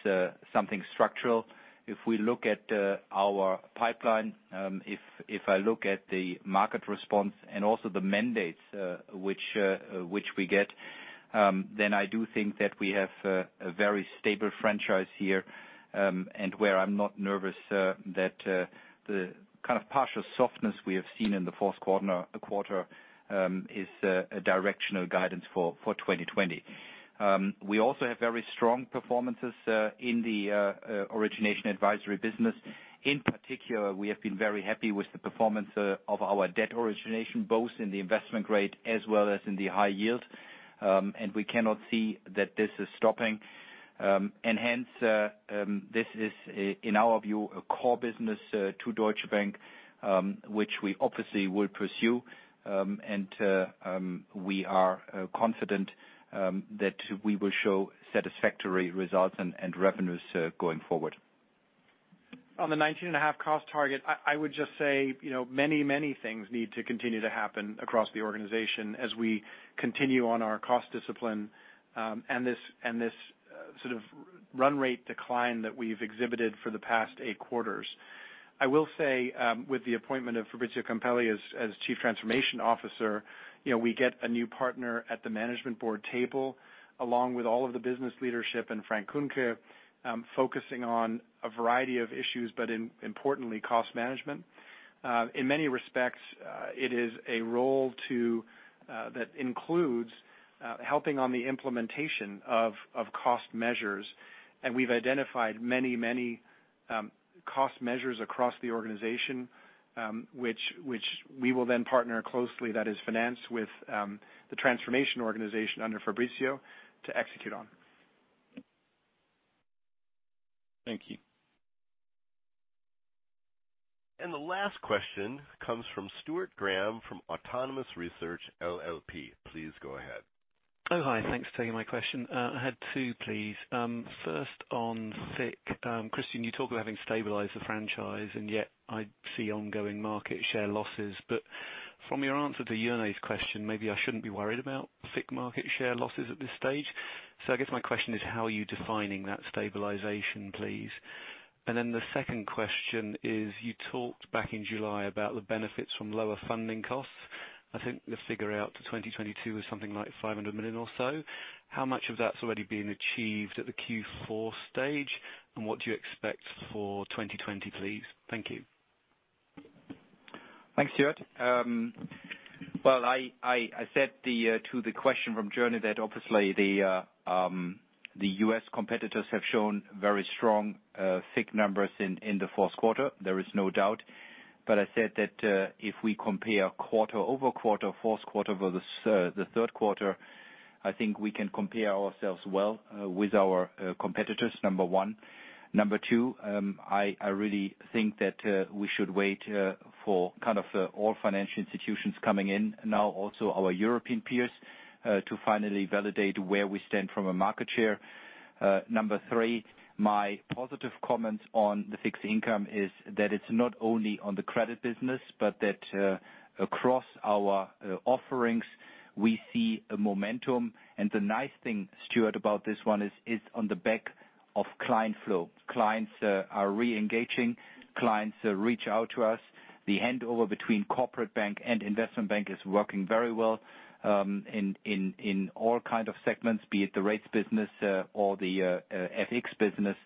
something structural. If we look at our pipeline, if I look at the market response and also the mandates which we get, I do think that we have a very stable franchise here, and where I'm not nervous that the kind of partial softness we have seen in the fourth quarter is a directional guidance for 2020. We also have very strong performances in the origination advisory business. In particular, we have been very happy with the performance of our debt origination, both in the investment grade as well as in the high yield. We cannot see that this is stopping. This is, in our view, a core business to Deutsche Bank, which we obviously will pursue. We are confident that we will show satisfactory results and revenues going forward. On the 19.5 cost target, I would just say many things need to continue to happen across the organization as we continue on our cost discipline, and this sort of run rate decline that we've exhibited for the past eight quarters. I will say, with the appointment of Fabrizio Campelli as Chief Transformation Officer, we get a new partner at the Management Board table, along with all of the business leadership and Frank Kuhnke focusing on a variety of issues, but importantly, cost management. In many respects, it is a role that includes helping on the implementation of cost measures, and we've identified many cost measures across the organization, which we will then partner closely, that is finance with the Transformation Organization under Fabrizio to execute on. Thank you. The last question comes from Stuart Graham from Autonomous Research LLP. Please go ahead. Hi. Thanks for taking my question. I had two, please. First on FICC. Christian, you talk of having stabilized the franchise, yet I see ongoing market share losses. From your answer to Jernej's question, maybe I shouldn't be worried about FICC market share losses at this stage. I guess my question is how are you defining that stabilization, please? The second question is you talked back in July about the benefits from lower funding costs. I think the figure out to 2022 was something like 500 million or so. How much of that's already been achieved at the Q4 stage, what do you expect for 2020, please? Thank you. Thanks, Stuart. I said to the question from Jernej that obviously the U.S. competitors have shown very strong FICC numbers in the fourth quarter. There is no doubt. I said that if we compare quarter-over-quarter, fourth quarter over the third quarter, I think we can compare ourselves well with our competitors, number one. Number two, I really think that we should wait for all financial institutions coming in now, also our European peers, to finally validate where we stand from a market share. Number three, my positive comments on the fixed income is that it's not only on the credit business, but that across our offerings we see a momentum. The nice thing, Stuart, about this one is on the back of client flow. Clients are re-engaging. Clients reach out to us. The handover between Corporate Bank and Investment bank is working very well in all kind of segments, be it the rates business or the FX business.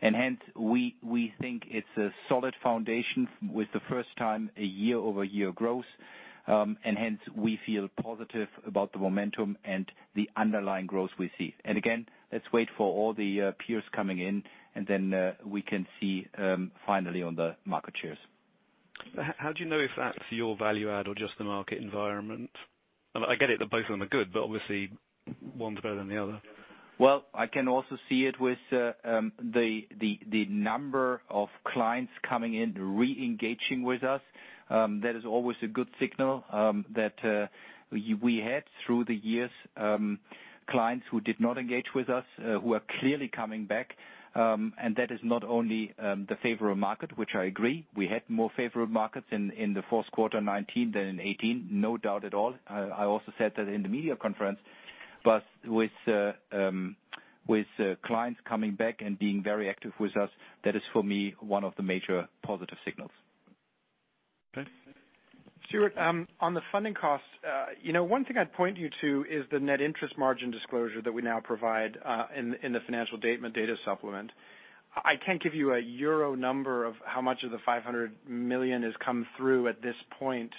Hence, we think it's a solid foundation with the first time a year-over-year growth. Hence, we feel positive about the momentum and the underlying growth we see. Again, let's wait for all the peers coming in, and then we can see finally on the market shares. How do you know if that's your value add or just the market environment? I get it that both of them are good, obviously one's better than the other. Well, I can also see it with the number of clients coming in reengaging with us. That is always a good signal that we had through the years, clients who did not engage with us who are clearly coming back. That is not only the favorable market, which I agree, we had more favorable markets in the fourth quarter 2019 than in 2018, no doubt at all. I also said that in the media conference. With clients coming back and being very active with us, that is, for me, one of the major positive signals. Okay. Stuart, on the funding costs, one thing I'd point you to is the net interest margin disclosure that we now provide in the financial data supplement. I can't give you a Euro number of how much of the 500 million has come through at this point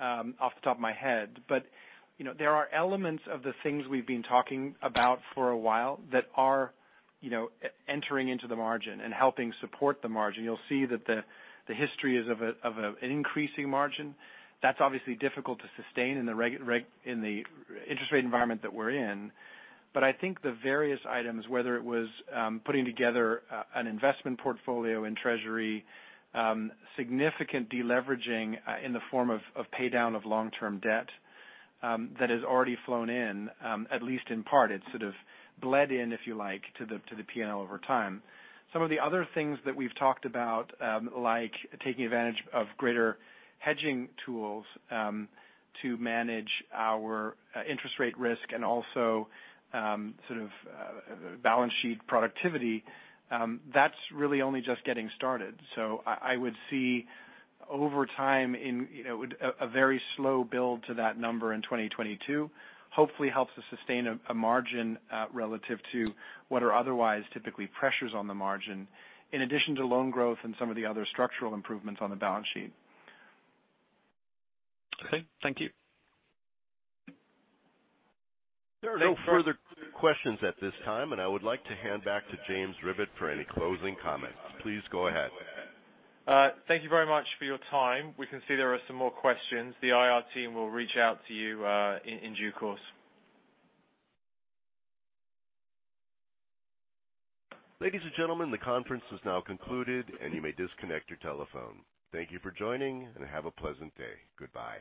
off the top of my head. There are elements of the things we've been talking about for a while that are entering into the margin and helping support the margin. You'll see that the history is of an increasing margin. That's obviously difficult to sustain in the interest rate environment that we're in. I think the various items, whether it was putting together an investment portfolio in treasury, significant de-leveraging in the form of pay-down of long-term debt that has already flown in at least in part. It sort of bled in, if you like, to the P&L over time. Some of the other things that we've talked about, like taking advantage of greater hedging tools to manage our interest rate risk and also sort of balance sheet productivity, that's really only just getting started. I would see over time a very slow build to that number in 2022. Hopefully helps us sustain a margin relative to what are otherwise typically pressures on the margin, in addition to loan growth and some of the other structural improvements on the balance sheet. Okay. Thank you. There are no further questions at this time, and I would like to hand back to James Rivett for any closing comments. Please go ahead. Thank you very much for your time. We can see there are some more questions. The IR team will reach out to you in due course. Ladies and gentlemen, the conference is now concluded, and you may disconnect your telephone. Thank you for joining, and have a pleasant day. Goodbye.